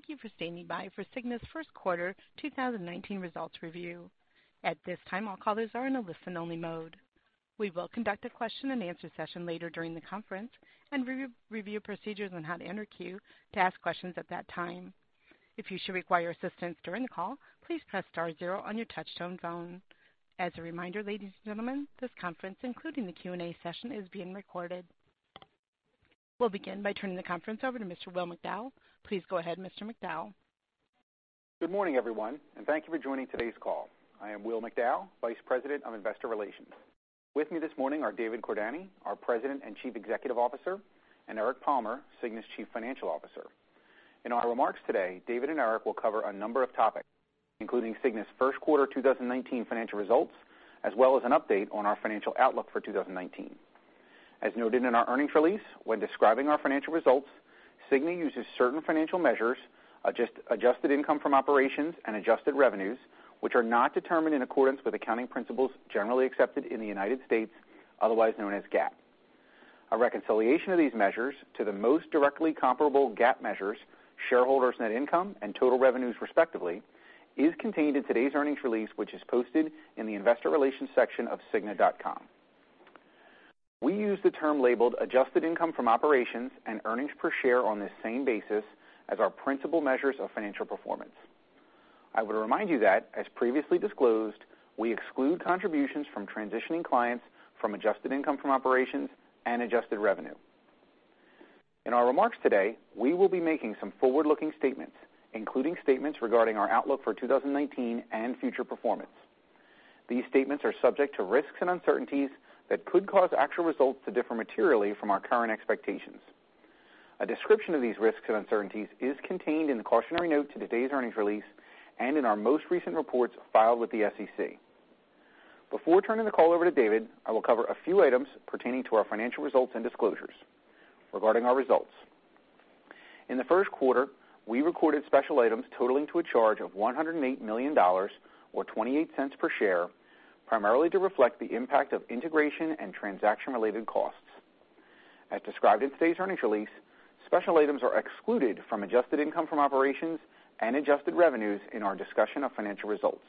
Thank you for standing by for Cigna's first quarter 2019 results review. At this time, all callers are in a listen-only mode. We will conduct a question-and-answer session later during the conference and review procedures on how to enter queue to ask questions at that time. If you should require assistance during the call, please press star zero on your touchtone phone. As a reminder, ladies and gentlemen, this conference, including the Q&A session, is being recorded. We'll begin by turning the conference over to Mr. Will McDowell. Please go ahead, Mr. McDowell. Good morning, everyone, and thank you for joining today's call. I am Will McDowell, Vice President of Investor Relations. With me this morning are David Cordani, our President and Chief Executive Officer, and Eric Palmer, Cigna's Chief Financial Officer. In our remarks today, David and Eric will cover a number of topics, including Cigna's first quarter 2019 financial results, as well as an update on our financial outlook for 2019. As noted in our earnings release, when describing our financial results, Cigna uses certain financial measures, adjusted income from operations and adjusted revenues, which are not determined in accordance with accounting principles generally accepted in the United States, otherwise known as GAAP. A reconciliation of these measures to the most directly comparable GAAP measures, shareholders' net income and total revenues respectively, is contained in today's earnings release, which is posted in the investor relations section of cigna.com. We use the term labeled adjusted income from operations and earnings per share on this same basis as our principal measures of financial performance. I would remind you that, as previously disclosed, we exclude contributions from transitioning clients from adjusted income from operations and adjusted revenue. In our remarks today, we will be making some forward-looking statements, including statements regarding our outlook for 2019 and future performance. These statements are subject to risks and uncertainties that could cause actual results to differ materially from our current expectations. A description of these risks and uncertainties is contained in the cautionary note to today's earnings release and in our most recent reports filed with the SEC. Before turning the call over to David, I will cover a few items pertaining to our financial results and disclosures regarding our results. In the first quarter, we recorded special items totaling to a charge of $108 million, or $0.28 per share, primarily to reflect the impact of integration and transaction-related costs. As described in today's earnings release, special items are excluded from adjusted income from operations and adjusted revenues in our discussion of financial results.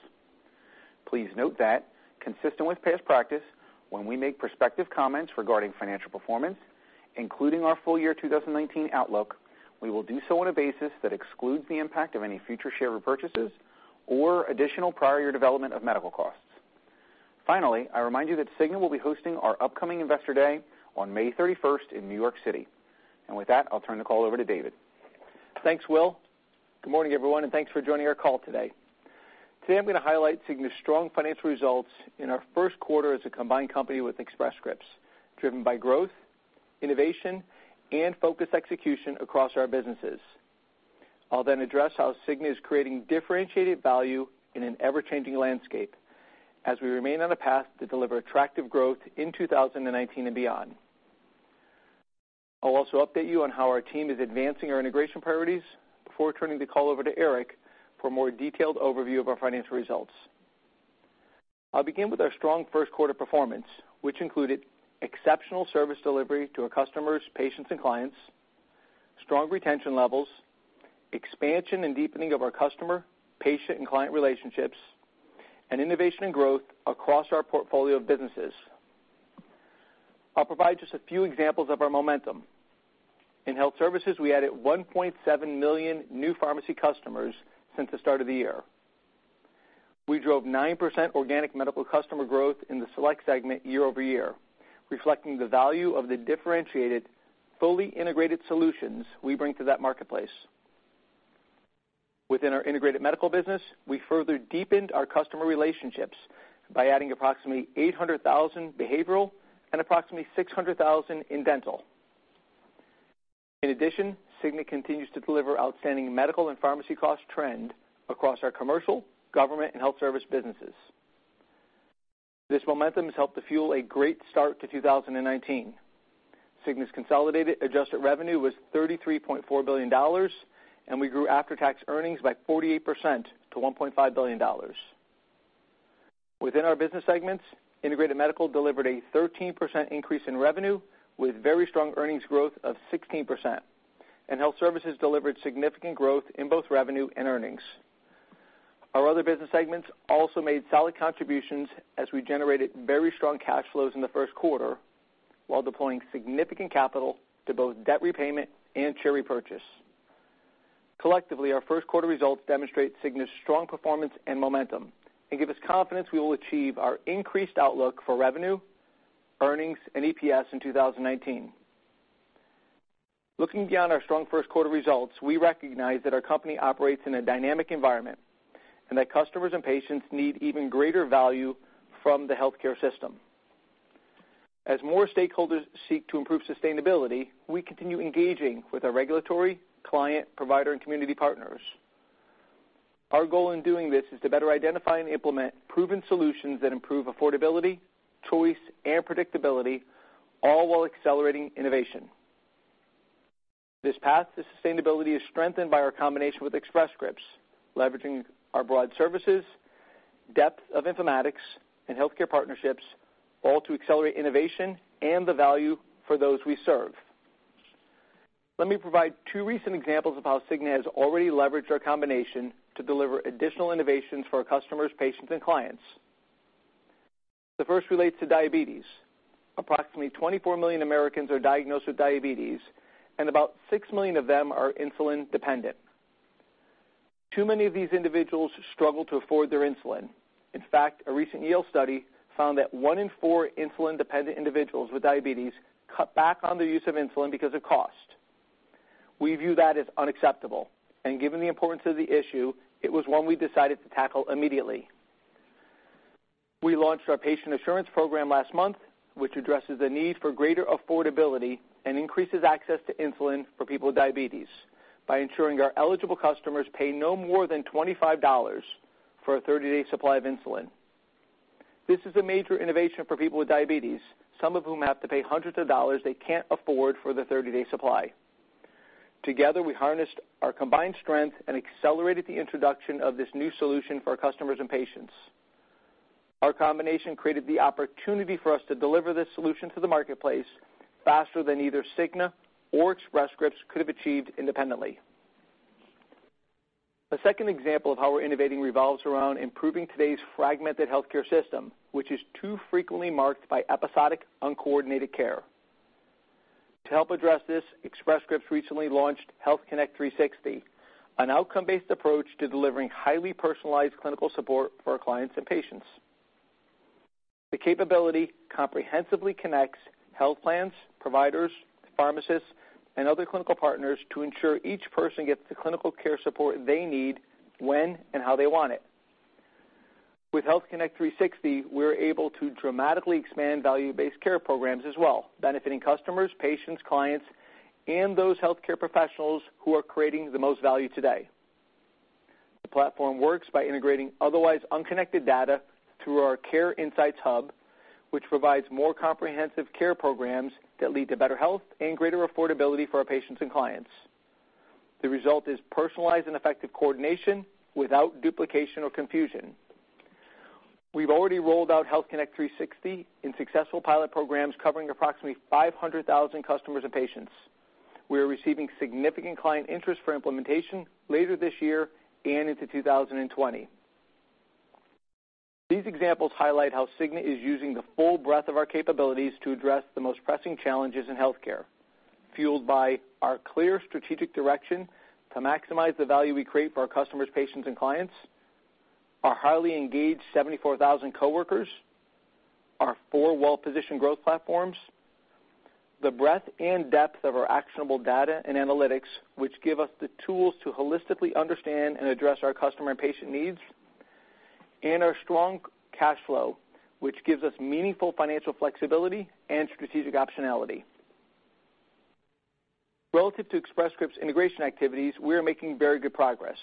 Please note that, consistent with past practice, when we make prospective comments regarding financial performance, including our full year 2019 outlook, we will do so on a basis that excludes the impact of any future share repurchases or additional prior year development of medical costs. Finally, I remind you that Cigna will be hosting our upcoming Investor Day on May 31st in New York City. With that, I'll turn the call over to David. Thanks, Will. Good morning, everyone. Thanks for joining our call today. Today, I'm going to highlight Cigna's strong financial results in our first quarter as a combined company with Express Scripts, driven by growth, innovation, and focused execution across our businesses. I'll then address how Cigna is creating differentiated value in an ever-changing landscape as we remain on a path to deliver attractive growth in 2019 and beyond. I'll also update you on how our team is advancing our integration priorities before turning the call over to Eric for a more detailed overview of our financial results. I'll begin with our strong first quarter performance, which included exceptional service delivery to our customers, patients, and clients, strong retention levels, expansion and deepening of our customer, patient, and client relationships, and innovation and growth across our portfolio of businesses. I'll provide just a few examples of our momentum. In Health Services, we added 1.7 million new pharmacy customers since the start of the year. We drove 9% organic medical customer growth in the select segment year-over-year, reflecting the value of the differentiated, fully integrated solutions we bring to that marketplace. Within our Integrated Medical business, we further deepened our customer relationships by adding approximately 800,000 behavioral and approximately 600,000 in dental. In addition, Cigna continues to deliver outstanding medical and pharmacy cost trend across our commercial, government, and Health Services businesses. This momentum has helped to fuel a great start to 2019. Cigna's consolidated adjusted revenue was $33.4 billion. We grew after-tax earnings by 48% to $1.5 billion. Within our business segments, Integrated Medical delivered a 13% increase in revenue with very strong earnings growth of 16%. Health Services delivered significant growth in both revenue and earnings. Our other business segments also made solid contributions as we generated very strong cash flows in the first quarter while deploying significant capital to both debt repayment and share repurchase. Collectively, our first quarter results demonstrate Cigna's strong performance and momentum and give us confidence we will achieve our increased outlook for revenue, earnings, and EPS in 2019. Looking beyond our strong first quarter results, we recognize that our company operates in a dynamic environment and that customers and patients need even greater value from the healthcare system. As more stakeholders seek to improve sustainability, we continue engaging with our regulatory, client, provider, and community partners. Our goal in doing this is to better identify and implement proven solutions that improve affordability, choice, and predictability, all while accelerating innovation. This path to sustainability is strengthened by our combination with Express Scripts, leveraging our broad service depth of informatics and healthcare partnerships, all to accelerate innovation and the value for those we serve. Let me provide two recent examples of how Cigna has already leveraged our combination to deliver additional innovations for our customers, patients, and clients. The first relates to diabetes. Approximately 24 million Americans are diagnosed with diabetes, and about six million of them are insulin-dependent. Too many of these individuals struggle to afford their insulin. In fact, a recent Yale study found that one in four insulin-dependent individuals with diabetes cut back on their use of insulin because of cost. We view that as unacceptable. Given the importance of the issue, it was one we decided to tackle immediately. We launched our Patient Assurance Program last month, which addresses the need for greater affordability and increases access to insulin for people with diabetes by ensuring our eligible customers pay no more than $25 for a 30-day supply of insulin. This is a major innovation for people with diabetes, some of whom have to pay hundreds of dollars they can't afford for the 30-day supply. Together, we harnessed our combined strength and accelerated the introduction of this new solution for our customers and patients. Our combination created the opportunity for us to deliver this solution to the marketplace faster than either Cigna or Express Scripts could have achieved independently. The second example of how we're innovating revolves around improving today's fragmented healthcare system, which is too frequently marked by episodic, uncoordinated care. To help address this, Express Scripts recently launched Health Connect 360, an outcome-based approach to delivering highly personalized clinical support for our clients and patients. The capability comprehensively connects health plans, providers, pharmacists, and other clinical partners to ensure each person gets the clinical care support they need when and how they want it. With Health Connect 360, we're able to dramatically expand value-based care programs as well, benefiting customers, patients, clients, and those healthcare professionals who are creating the most value today. The platform works by integrating otherwise unconnected data through our Care Insights Hub, which provides more comprehensive care programs that lead to better health and greater affordability for our patients and clients. The result is personalized and effective coordination without duplication or confusion. We've already rolled out Health Connect 360 in successful pilot programs covering approximately 500,000 customers and patients. We are receiving significant client interest for implementation later this year and into 2020. These examples highlight how Cigna is using the full breadth of our capabilities to address the most pressing challenges in healthcare, fueled by our clear strategic direction to maximize the value we create for our customers, patients, and clients, our highly engaged 74,000 coworkers, our four well-positioned growth platforms, the breadth and depth of our actionable data and analytics, which give us the tools to holistically understand and address our customer and patient needs, and our strong cash flow, which gives us meaningful financial flexibility and strategic optionality. Relative to Express Scripts integration activities, we are making very good progress.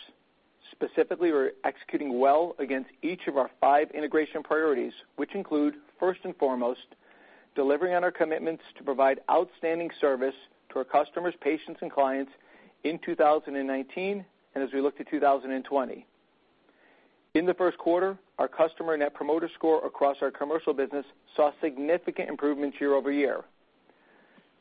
Specifically, we're executing well against each of our five integration priorities, which include, first and foremost, delivering on our commitments to provide outstanding service to our customers, patients, and clients in 2019 and as we look to 2020. In the first quarter, our customer Net Promoter Score across our commercial business saw significant improvements year-over-year.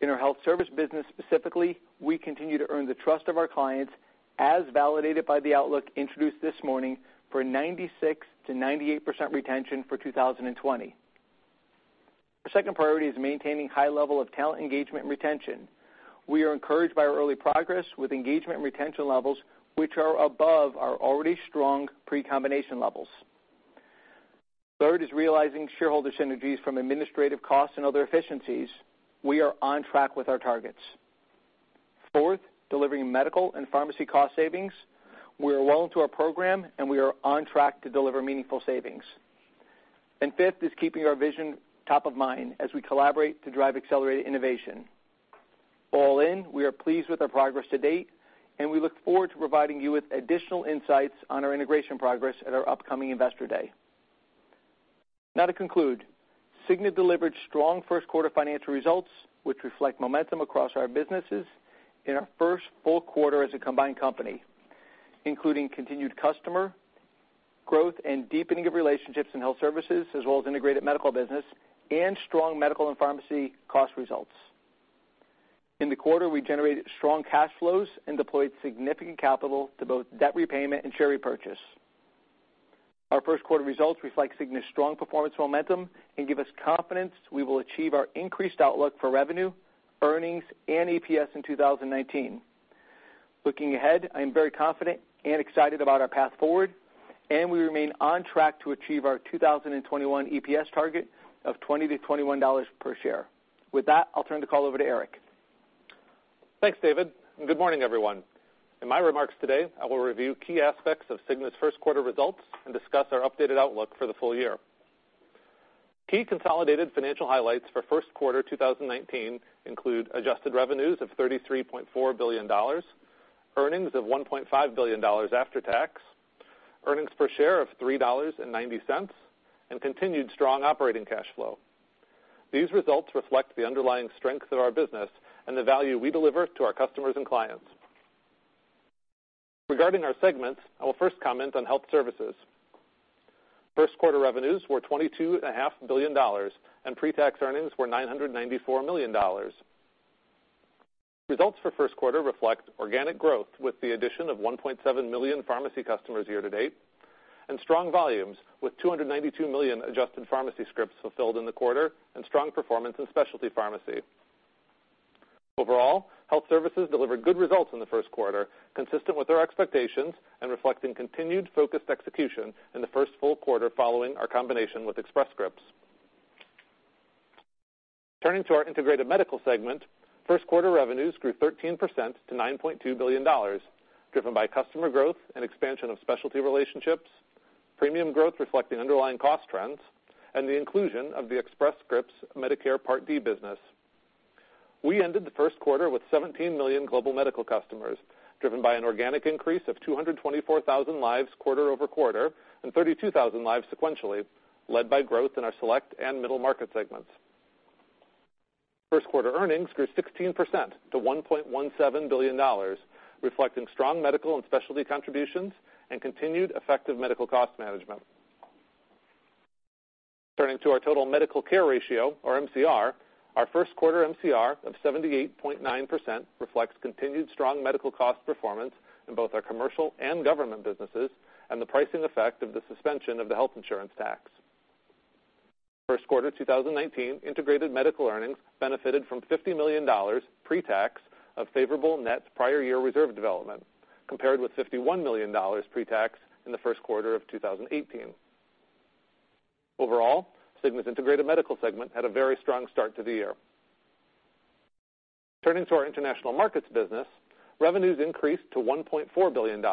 In our health service business specifically, we continue to earn the trust of our clients, as validated by the outlook introduced this morning, for a 96%-98% retention for 2020. Our second priority is maintaining high level of talent engagement and retention. We are encouraged by our early progress with engagement and retention levels, which are above our already strong pre-combination levels. Third is realizing shareholder synergies from administrative costs and other efficiencies. We are on track with our targets. Fourth, delivering medical and pharmacy cost savings. We are well into our program, and we are on track to deliver meaningful savings. Fifth is keeping our vision top of mind as we collaborate to drive accelerated innovation. All in, we are pleased with our progress to date, and we look forward to providing you with additional insights on our integration progress at our upcoming Investor Day. To conclude, Cigna delivered strong first quarter financial results, which reflect momentum across our businesses in our first full quarter as a combined company, including continued customer growth and deepening of relationships in health services, as well as integrated medical business and strong medical and pharmacy cost results. In the quarter, we generated strong cash flows and deployed significant capital to both debt repayment and share repurchase. Our first quarter results reflect Cigna's strong performance momentum and give us confidence we will achieve our increased outlook for revenue, earnings, and EPS in 2019. Looking ahead, I am very confident and excited about our path forward, and we remain on track to achieve our 2021 EPS target of $20-$21 per share. With that, I'll turn the call over to Eric. Thanks, David, and good morning, everyone. In my remarks today, I will review key aspects of Cigna's first quarter results and discuss our updated outlook for the full year. Key consolidated financial highlights for first quarter 2019 include adjusted revenues of $33.4 billion, earnings of $1.5 billion after tax, earnings per share of $3.90, and continued strong operating cash flow. These results reflect the underlying strength of our business and the value we deliver to our customers and clients. Regarding our segments, I will first comment on health services. First quarter revenues were $22.5 billion and pre-tax earnings were $994 million. Results for first quarter reflect organic growth with the addition of 1.7 million pharmacy customers year to date and strong volumes with 292 million adjusted pharmacy scripts fulfilled in the quarter and strong performance in specialty pharmacy. Overall, health services delivered good results in the first quarter, consistent with our expectations and reflecting continued focused execution in the first full quarter following our combination with Express Scripts. Turning to our integrated medical segment, first quarter revenues grew 13% to $9.2 billion, driven by customer growth and expansion of specialty relationships, premium growth reflecting underlying cost trends, and the inclusion of the Express Scripts Medicare Part D business. We ended the first quarter with 17 million global medical customers, driven by an organic increase of 224,000 lives quarter-over-quarter and 32,000 lives sequentially, led by growth in our select and middle market segments. First quarter earnings grew 16% to $1.17 billion, reflecting strong medical and specialty contributions and continued effective medical cost management. Turning to our total medical care ratio or MCR, our first quarter MCR of 78.9% reflects continued strong medical cost performance in both our commercial and government businesses and the pricing effect of the suspension of the health insurance tax. First quarter 2019 integrated medical earnings benefited from $50 million pre-tax of favorable net prior year reserve development, compared with $51 million pre-tax in the first quarter of 2018. Overall, Cigna's Integrated Medical segment had a very strong start to the year. Turning to our International Markets business, revenues increased to $1.4 billion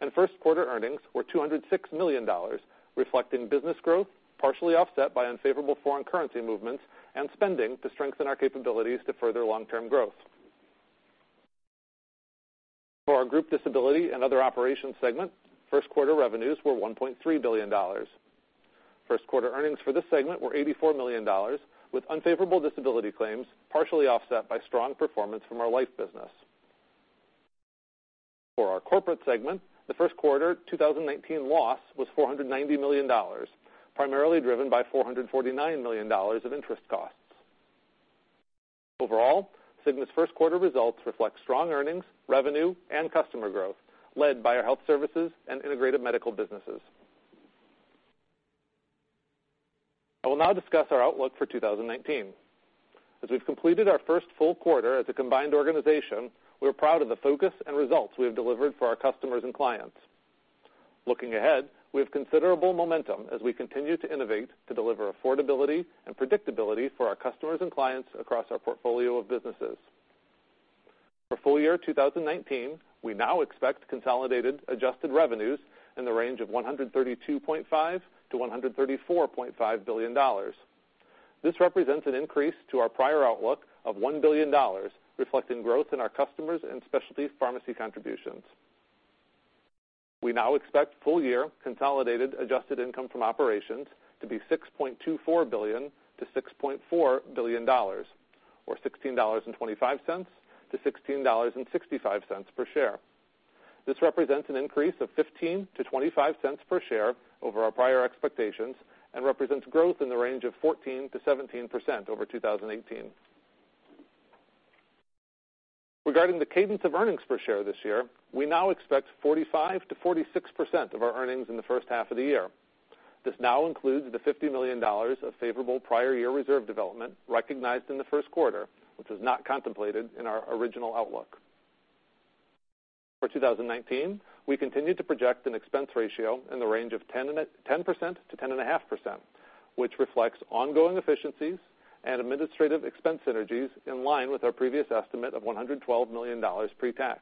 and first quarter earnings were $206 million, reflecting business growth partially offset by unfavorable foreign currency movements and spending to strengthen our capabilities to further long-term growth. For our Group Disability and Other Operations segment, first quarter revenues were $1.3 billion. First quarter earnings for this segment were $84 million, with unfavorable disability claims partially offset by strong performance from our life business. For our Corporate segment, the first quarter 2019 loss was $490 million, primarily driven by $449 million of interest costs. Overall, Cigna's first quarter results reflect strong earnings, revenue, and customer growth, led by our Health Services and Integrated Medical businesses. I will now discuss our outlook for 2019. As we've completed our first full quarter as a combined organization, we're proud of the focus and results we have delivered for our customers and clients. Looking ahead, we have considerable momentum as we continue to innovate to deliver affordability and predictability for our customers and clients across our portfolio of businesses. For full year 2019, we now expect consolidated adjusted revenues in the range of $132.5 billion-$134.5 billion. This represents an increase to our prior outlook of $1 billion, reflecting growth in our customers and specialty pharmacy contributions. We now expect full year consolidated adjusted income from operations to be $6.24 billion-$6.4 billion, or $16.25-$16.65 per share. This represents an increase of $0.15-$0.25 per share over our prior expectations and represents growth in the range of 14%-17% over 2018. Regarding the cadence of earnings per share this year, we now expect 45%-46% of our earnings in the first half of the year. This now includes the $50 million of favorable prior year reserve development recognized in the first quarter, which is not contemplated in our original outlook. For 2019, we continue to project an expense ratio in the range of 10%-10.5%, which reflects ongoing efficiencies and administrative expense synergies in line with our previous estimate of $112 million pre-tax.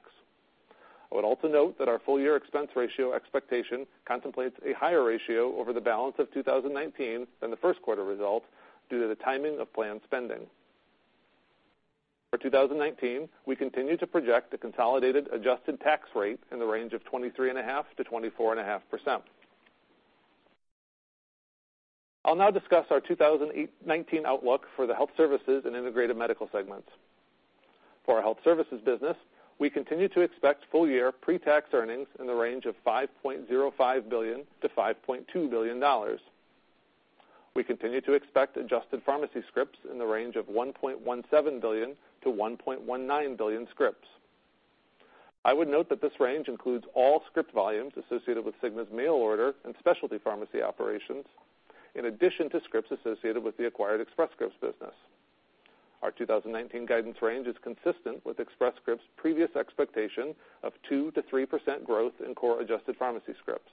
I would also note that our full-year expense ratio expectation contemplates a higher ratio over the balance of 2019 than the first quarter results due to the timing of planned spending. For 2019, we continue to project a consolidated adjusted tax rate in the range of 23.5%-24.5%. I'll now discuss our 2019 outlook for the Health Services and Integrated Medical segments. For our Health Services business, we continue to expect full year pre-tax earnings in the range of $5.05 billion-$5.2 billion. We continue to expect adjusted pharmacy scripts in the range of 1.17 billion-1.19 billion scripts. I would note that this range includes all script volumes associated with Cigna's mail order and specialty pharmacy operations, in addition to scripts associated with the acquired Express Scripts business. Our 2019 guidance range is consistent with Express Scripts' previous expectation of 2%-3% growth in core adjusted pharmacy scripts.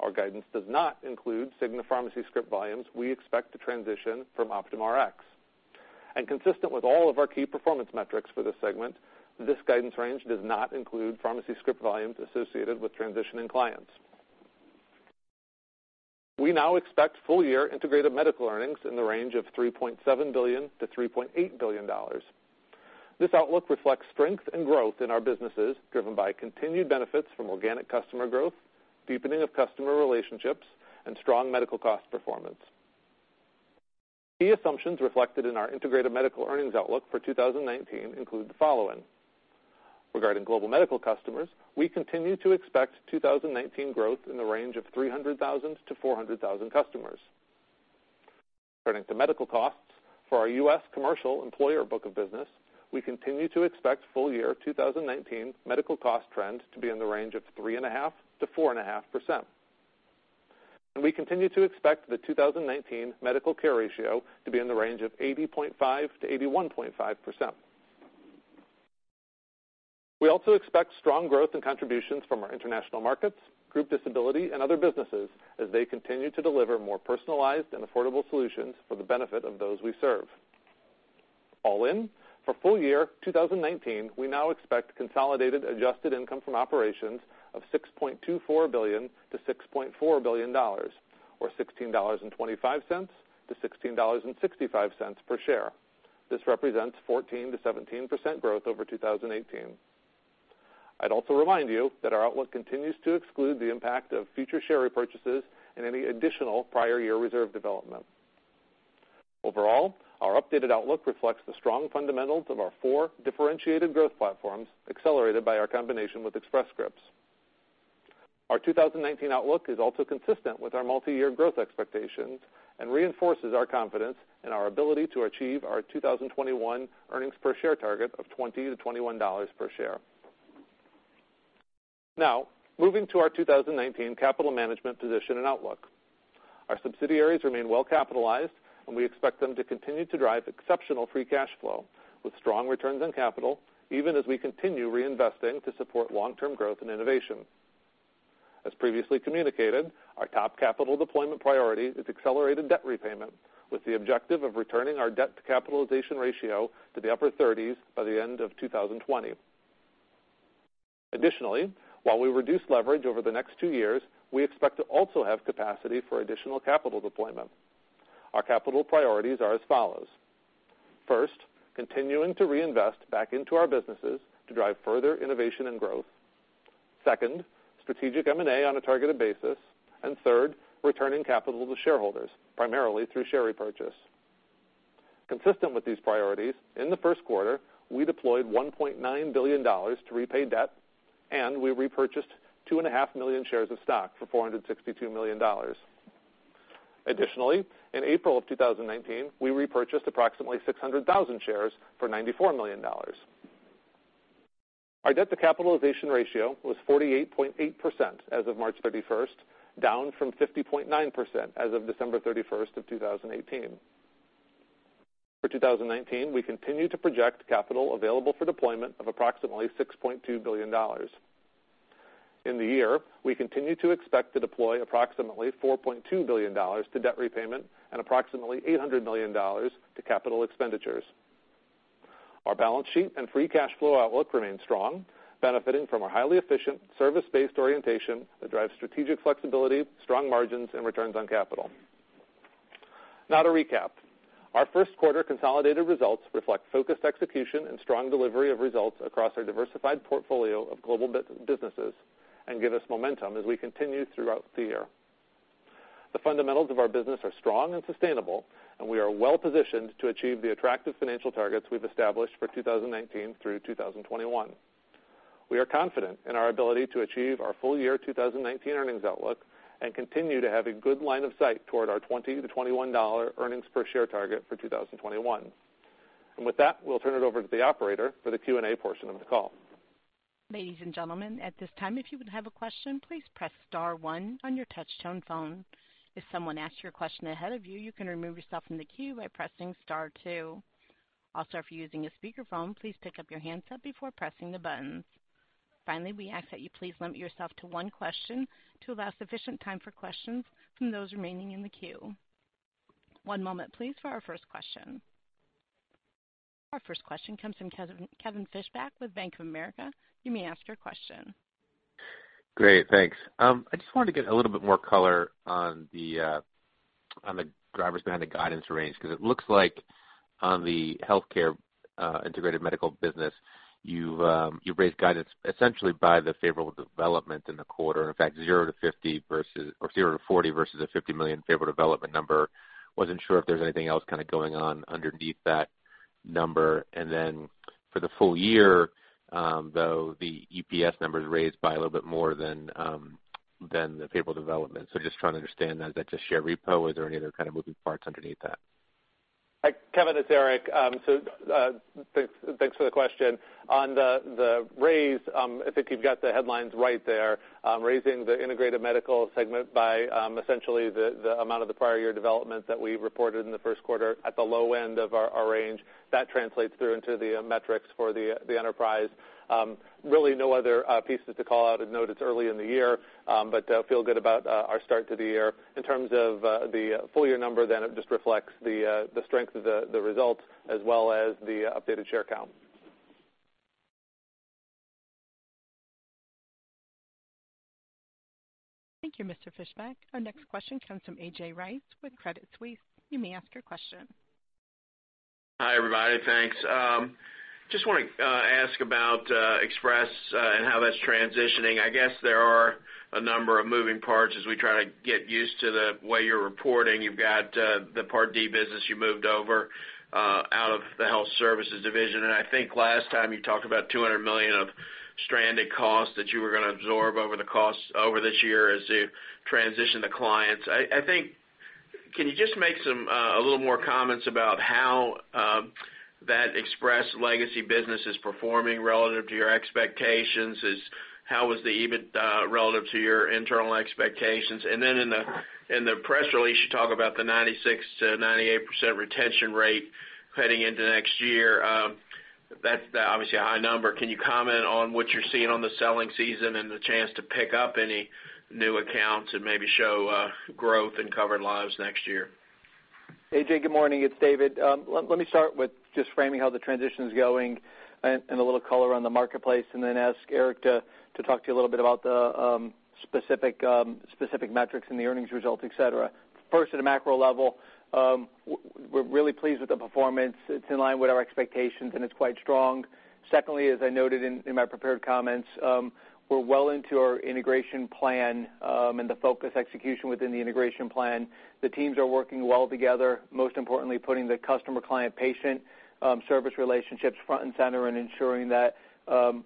Our guidance does not include Cigna pharmacy script volumes we expect to transition from OptumRx. Consistent with all of our key performance metrics for this segment, this guidance range does not include pharmacy script volumes associated with transitioning clients. We now expect full year integrated medical earnings in the range of $3.7 billion-$3.8 billion. This outlook reflects strength and growth in our businesses, driven by continued benefits from organic customer growth, deepening of customer relationships, and strong medical cost performance. Key assumptions reflected in our integrated medical earnings outlook for 2019 include the following. Regarding global medical customers, we continue to expect 2019 growth in the range of 300,000-400,000 customers. According to medical costs for our U.S. commercial employer book of business, we continue to expect full year 2019 medical cost trend to be in the range of 3.5%-4.5%. We continue to expect the 2019 medical care ratio to be in the range of 80.5%-81.5%. We also expect strong growth in contributions from our international markets, group disability, and other businesses as they continue to deliver more personalized and affordable solutions for the benefit of those we serve. All in, for full year 2019, we now expect consolidated adjusted income from operations of $6.24 billion-$6.4 billion, or $16.25-$16.65 per share. This represents 14%-17% growth over 2018. I'd also remind you that our outlook continues to exclude the impact of future share repurchases and any additional prior year reserve development. Overall, our updated outlook reflects the strong fundamentals of our four differentiated growth platforms, accelerated by our combination with Express Scripts. Our 2019 outlook is also consistent with our multi-year growth expectations and reinforces our confidence in our ability to achieve our 2021 earnings per share target of $20-$21 per share. Moving to our 2019 capital management position and outlook. Our subsidiaries remain well capitalized, and we expect them to continue to drive exceptional free cash flow with strong returns on capital, even as we continue reinvesting to support long-term growth and innovation. As previously communicated, our top capital deployment priority is accelerated debt repayment with the objective of returning our debt to capitalization ratio to the upper 30s by the end of 2020. While we reduce leverage over the next two years, we expect to also have capacity for additional capital deployment. Our capital priorities are as follows. First, continuing to reinvest back into our businesses to drive further innovation and growth. Second, strategic M&A on a targeted basis, and third, returning capital to shareholders, primarily through share repurchase. Consistent with these priorities, in the first quarter, we deployed $1.9 billion to repay debt, and we repurchased 2.5 million shares of stock for $462 million. In April of 2019, we repurchased approximately 600,000 shares for $94 million. Our debt to capitalization ratio was 48.8% as of March 31st, down from 50.9% as of December 31st of 2018. For 2019, we continue to project capital available for deployment of approximately $6.2 billion. In the year, we continue to expect to deploy approximately $4.2 billion to debt repayment and approximately $800 million to capital expenditures. Our balance sheet and free cash flow outlook remain strong, benefiting from our highly efficient service-based orientation that drives strategic flexibility, strong margins, and returns on capital. Now to recap, our first quarter consolidated results reflect focused execution and strong delivery of results across our diversified portfolio of global businesses and give us momentum as we continue throughout the year. The fundamentals of our business are strong and sustainable, and we are well-positioned to achieve the attractive financial targets we've established for 2019 through 2021. We are confident in our ability to achieve our full year 2019 earnings outlook and continue to have a good line of sight toward our $20 to $21 earnings per share target for 2021. With that, we'll turn it over to the operator for the Q&A portion of the call. Ladies and gentlemen, at this time, if you would have a question, please press star one on your touchtone phone. If someone asks your question ahead of you can remove yourself from the queue by pressing star two. If you're using a speakerphone, please pick up your handset before pressing the buttons. We ask that you please limit yourself to one question to allow sufficient time for questions from those remaining in the queue. One moment please for our first question. Our first question comes from Kevin Fischbeck with Bank of America. You may ask your question. Great, thanks. I just wanted to get a little bit more color on the drivers behind the guidance range, because it looks like on the healthcare integrated medical business, you've raised guidance essentially by the favorable development in the quarter. In fact, $0-$40 million versus a $50 million favorable development number. Wasn't sure if there's anything else kind of going on underneath that number. Then for the full year, though, the EPS numbers raised by a little bit more than the favorable development. Just trying to understand that. Is that just share repo? Is there any other kind of moving parts underneath that? Kevin, it's Eric. Thanks for the question. On the raise, I think you've got the headlines right there. Raising the integrated medical segment by essentially the amount of the prior year development that we reported in the first quarter at the low end of our range. That translates through into the metrics for the enterprise. Really no other pieces to call out and note. It's early in the year. Feel good about our start to the year. In terms of the full year number, it just reflects the strength of the results as well as the updated share count. Thank you, Mr. Fischbeck. Our next question comes from A.J. Rice with Credit Suisse. You may ask your question. Hey everybody, thanks. Just want to ask about Express and how that's transitioning. I guess there are a number of moving parts as we try to get used to the way you're reporting. You've got the Medicare Part D business you moved over out of the health services division, and I think last time you talked about $200 million of stranded costs that you were going to absorb over the course of this year as you transition the clients. Can you just make a little more comments about how that Express legacy business is performing relative to your expectations? How was the EBIT relative to your internal expectations? In the press release, you talk about the 96%-98% retention rate heading into next year. That's obviously a high number. Can you comment on what you're seeing on the selling season and the chance to pick up any new accounts and maybe show growth in covered lives next year? A.J., good morning. It's David. Let me start with just framing how the transition's going and a little color on the marketplace and then ask Eric to talk to you a little bit about the specific metrics in the earnings results, et cetera. First, at a macro level, we're really pleased with the performance. It's in line with our expectations, and it's quite strong. Secondly, as I noted in my prepared comments, we're well into our integration plan, and the focused execution within the integration plan. The teams are working well together, most importantly, putting the customer/client/patient service relationships front and center and ensuring that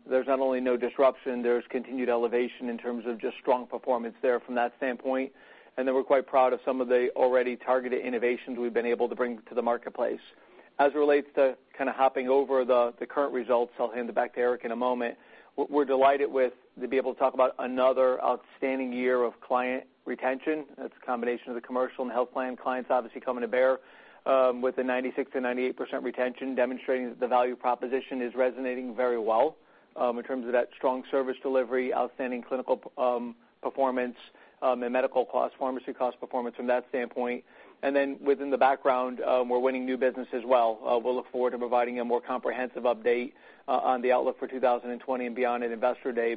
there's not only no disruption, there's continued elevation in terms of just strong performance there from that standpoint. We're quite proud of some of the already targeted innovations we've been able to bring to the marketplace. As it relates to kind of hopping over the current results, I'll hand it back to Eric in a moment. We're delighted to be able to talk about another outstanding year of client retention. That's a combination of the commercial and health plan clients obviously coming to bear with the 96%-98% retention, demonstrating that the value proposition is resonating very well in terms of that strong service delivery, outstanding clinical performance, and medical cost, pharmacy cost performance from that standpoint. Within the background, we're winning new business as well. We'll look forward to providing a more comprehensive update on the outlook for 2020 and beyond at Investor Day.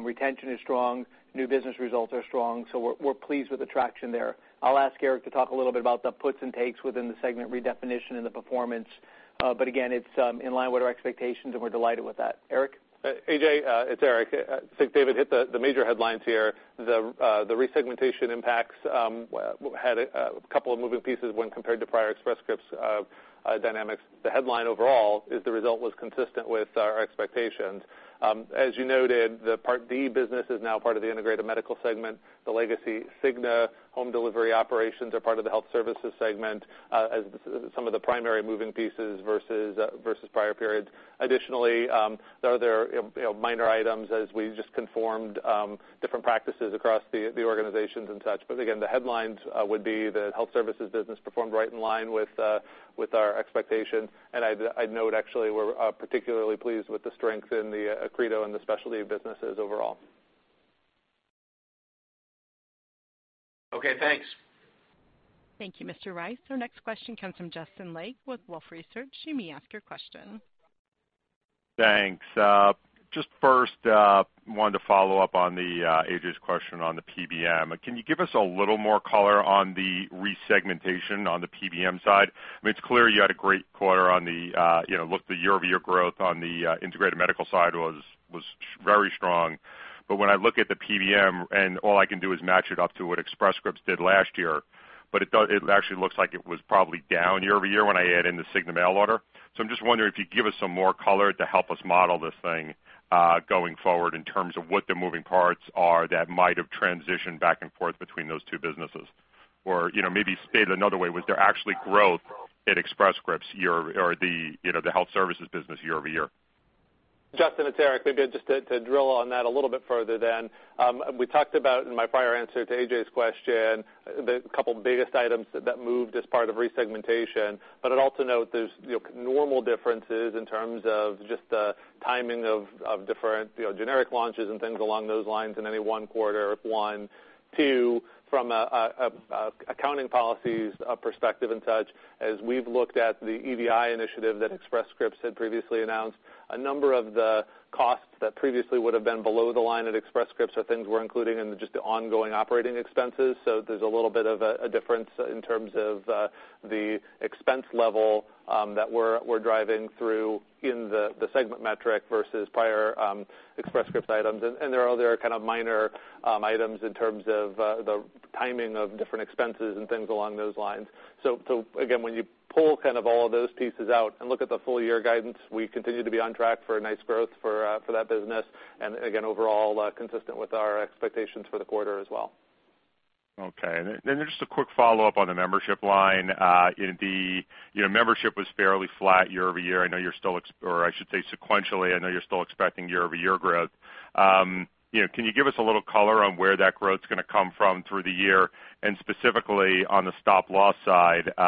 Retention is strong. New business results are strong. We're pleased with the traction there. I'll ask Eric to talk a little bit about the puts and takes within the segment redefinition and the performance. Again, it's in line with our expectations, and we're delighted with that. Eric? A.J., it's Eric. I think David hit the major headlines here. The resegmentation impacts had a couple of moving pieces when compared to prior Express Scripts dynamics. The headline overall is the result was consistent with our expectations. As you noted, the Part D business is now part of the integrated medical segment. The legacy Cigna home delivery operations are part of the health services segment as some of the primary moving pieces versus prior periods. Additionally, there are other minor items as we just conformed different practices across the organizations and such. Again, the headlines would be the health services business performed right in line with our expectations, and I'd note, actually, we're particularly pleased with the strength in the Accredo and the specialty businesses overall. Okay, thanks. Thank you, Mr. Rice. Our next question comes from Justin Lake with Wolfe Research. You may ask your question. Thanks. Just first, wanted to follow up on A.J.'s question on the PBM. Can you give us a little more color on the resegmentation on the PBM side? It's clear you had a great quarter on the year-over-year growth on the integrated medical side was very strong. When I look at the PBM, all I can do is match it up to what Express Scripts did last year. It actually looks like it was probably down year-over-year when I add in the Cigna mail order. I'm just wondering if you'd give us some more color to help us model this thing, going forward in terms of what the moving parts are that might have transitioned back and forth between those two businesses. Maybe stated another way, was there actually growth at Express Scripts or the health services business year-over-year? Justin, it's Eric. Maybe just to drill on that a little bit further. We talked about in my prior answer to A.J.'s question, the couple biggest items that moved as part of resegmentation. I'd also note there's normal differences in terms of just the timing of different generic launches and things along those lines in any one quarter, one. Two, from accounting policies perspective and such, as we've looked at the DEI initiative that Express Scripts had previously announced, a number of the costs that previously would've been below the line at Express Scripts are things we're including in just the ongoing operating expenses. There's a little bit of a difference in terms of the expense level that we're driving through in the segment metric versus prior Express Scripts items. There are other kind of minor items in terms of the timing of different expenses and things along those lines. Again, when you pull all of those pieces out and look at the full-year guidance, we continue to be on track for a nice growth for that business. Again, overall, consistent with our expectations for the quarter as well. Okay. Just a quick follow-up on the membership line. The membership was fairly flat year-over-year, or I should say sequentially. I know you're still expecting year-over-year growth. Can you give us a little color on where that growth's going to come from through the year and specifically on the Stop Loss side? It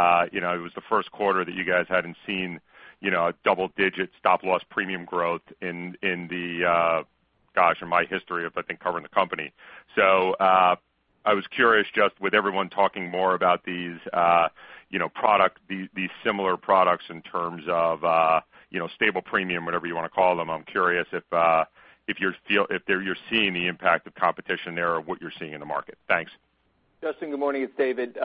was the first quarter that you guys hadn't seen a double-digit Stop Loss premium growth in my history of, I think, covering the company. I was curious, just with everyone talking more about these similar products in terms of stable premium, whatever you want to call them. I'm curious if you're seeing the impact of competition there or what you're seeing in the market. Thanks. Justin, good morning. It's David.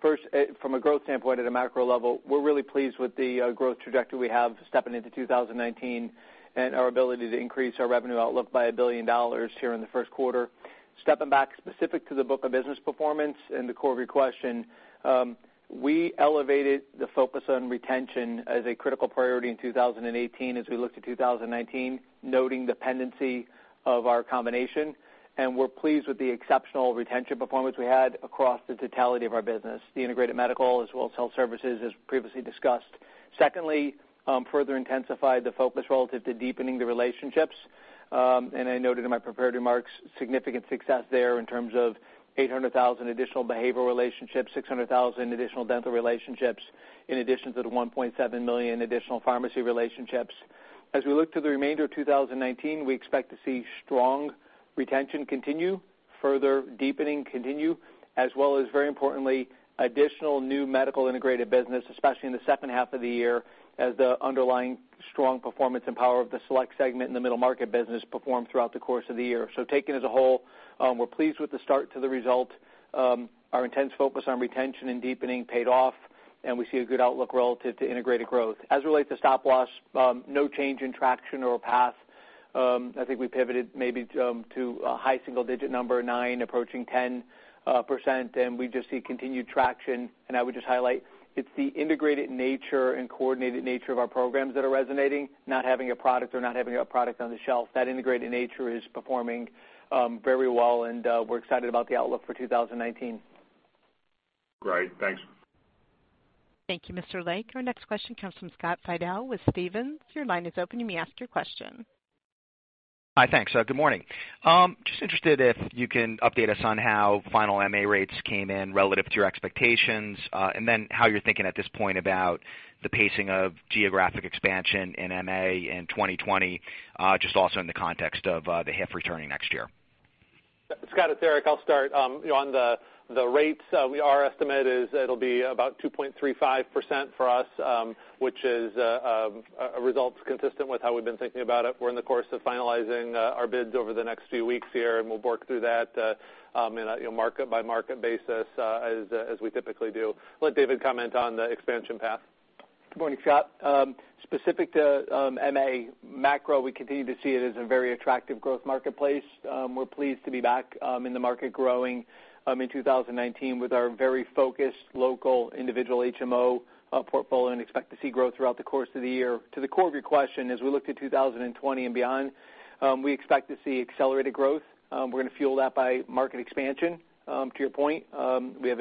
First, from a growth standpoint at a macro level, we're really pleased with the growth trajectory we have stepping into 2019 and our ability to increase our revenue outlook by $1 billion here in the first quarter. Stepping back specific to the book of business performance and the core of your question, we elevated the focus on retention as a critical priority in 2018 as we looked to 2019, noting the pendency of our combination. We're pleased with the exceptional retention performance we had across the totality of our business, the integrated medical as well as health services, as previously discussed. Secondly, further intensified the focus relative to deepening the relationships. I noted in my prepared remarks significant success there in terms of 800,000 additional behavioral relationships, 600,000 additional dental relationships, in addition to the 1.7 million additional pharmacy relationships. As we look to the remainder of 2019, we expect to see strong retention continue, further deepening continue, as well as, very importantly, additional new medical integrated business, especially in the second half of the year, as the underlying strong performance and power of the select segment in the middle market business perform throughout the course of the year. Taken as a whole, we're pleased with the start to the result. Our intense focus on retention and deepening paid off, and we see a good outlook relative to integrated growth. As it relates to Stop Loss, no change in traction or path. I think we pivoted maybe to a high single-digit number, nine, approaching 10%, and we just see continued traction. I would just highlight, it's the integrated nature and coordinated nature of our programs that are resonating, not having a product or not having a product on the shelf. That integrated nature is performing very well, and we're excited about the outlook for 2019. Great. Thanks. Thank you, Mr. Lake. Our next question comes from Scott Fidel with Stephens. Your line is open. You may ask your question. Hi, thanks. Good morning. Just interested if you can update us on how final MA rates came in relative to your expectations, and then how you're thinking at this point about the pacing of geographic expansion in MA in 2020, just also in the context of the HIF returning next year. Scott, it's Eric. I'll start. On the rates, our estimate is it'll be about 2.35% for us, which is results consistent with how we've been thinking about it. We're in the course of finalizing our bids over the next few weeks here, and we'll work through that in a market-by-market basis as we typically do. I'll let David comment on the expansion path. Good morning, Scott. Specific to MA, macro, we continue to see it as a very attractive growth marketplace. We're pleased to be back in the market growing in 2019 with our very focused local individual HMO portfolio. We expect to see growth throughout the course of the year. To the core of your question, as we look to 2020 and beyond, we expect to see accelerated growth. We're going to fuel that by market expansion. To your point, we have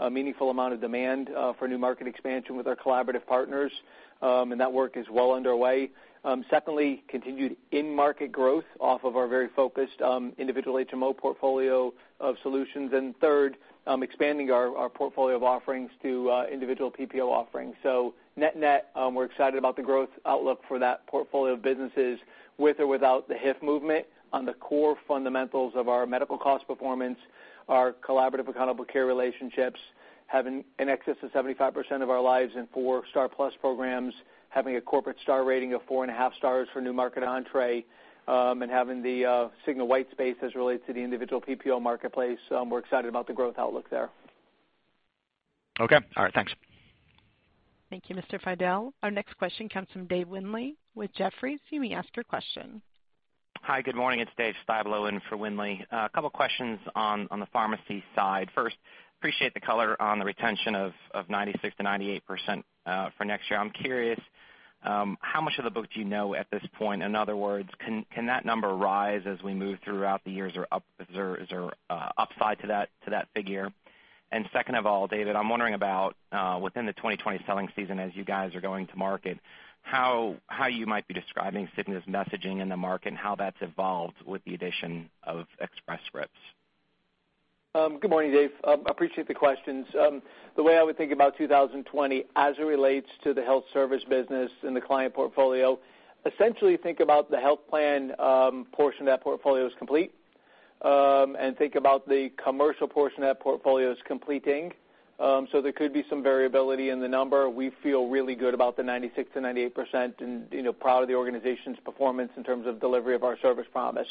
a meaningful amount of demand for new market expansion with our collaborative partners, and that work is well underway. Secondly, continued in-market growth off of our very focused individual HMO portfolio of solutions. Third, expanding our portfolio of offerings to individual PPO offerings. Net-net, we're excited about the growth outlook for that portfolio of businesses with or without the HIF movement. On the core fundamentals of our medical cost performance, our collaborative accountable care relationships have in excess of 75% of our lives in 4 Star Plus programs, having a corporate star rating of 4.5 stars for new market entree, and having the Cigna white space as it relates to the individual PPO marketplace. We're excited about the growth outlook there. Okay. All right. Thanks. Thank you, Mr. Fidel. Our next question comes from Dave Windley with Jefferies. You may ask your question. Hi, good morning. It's Dave Styblo in for Windley. A couple of questions on the pharmacy side. First, appreciate the color on the retention of 96%-98% for next year. I'm curious, how much of the book do you know at this point? In other words, can that number rise as we move throughout the years, or is there upside to that figure? Second of all, David, I'm wondering about within the 2020 selling season, as you guys are going to market, how you might be describing Cigna's messaging in the market and how that's evolved with the addition of Express Scripts. Good morning, Dave. Appreciate the questions. The way I would think about 2020 as it relates to the health service business and the client portfolio, essentially think about the health plan portion of that portfolio as complete, and think about the commercial portion of that portfolio as completing. There could be some variability in the number. We feel really good about the 96%-98% and proud of the organization's performance in terms of delivery of our service promise.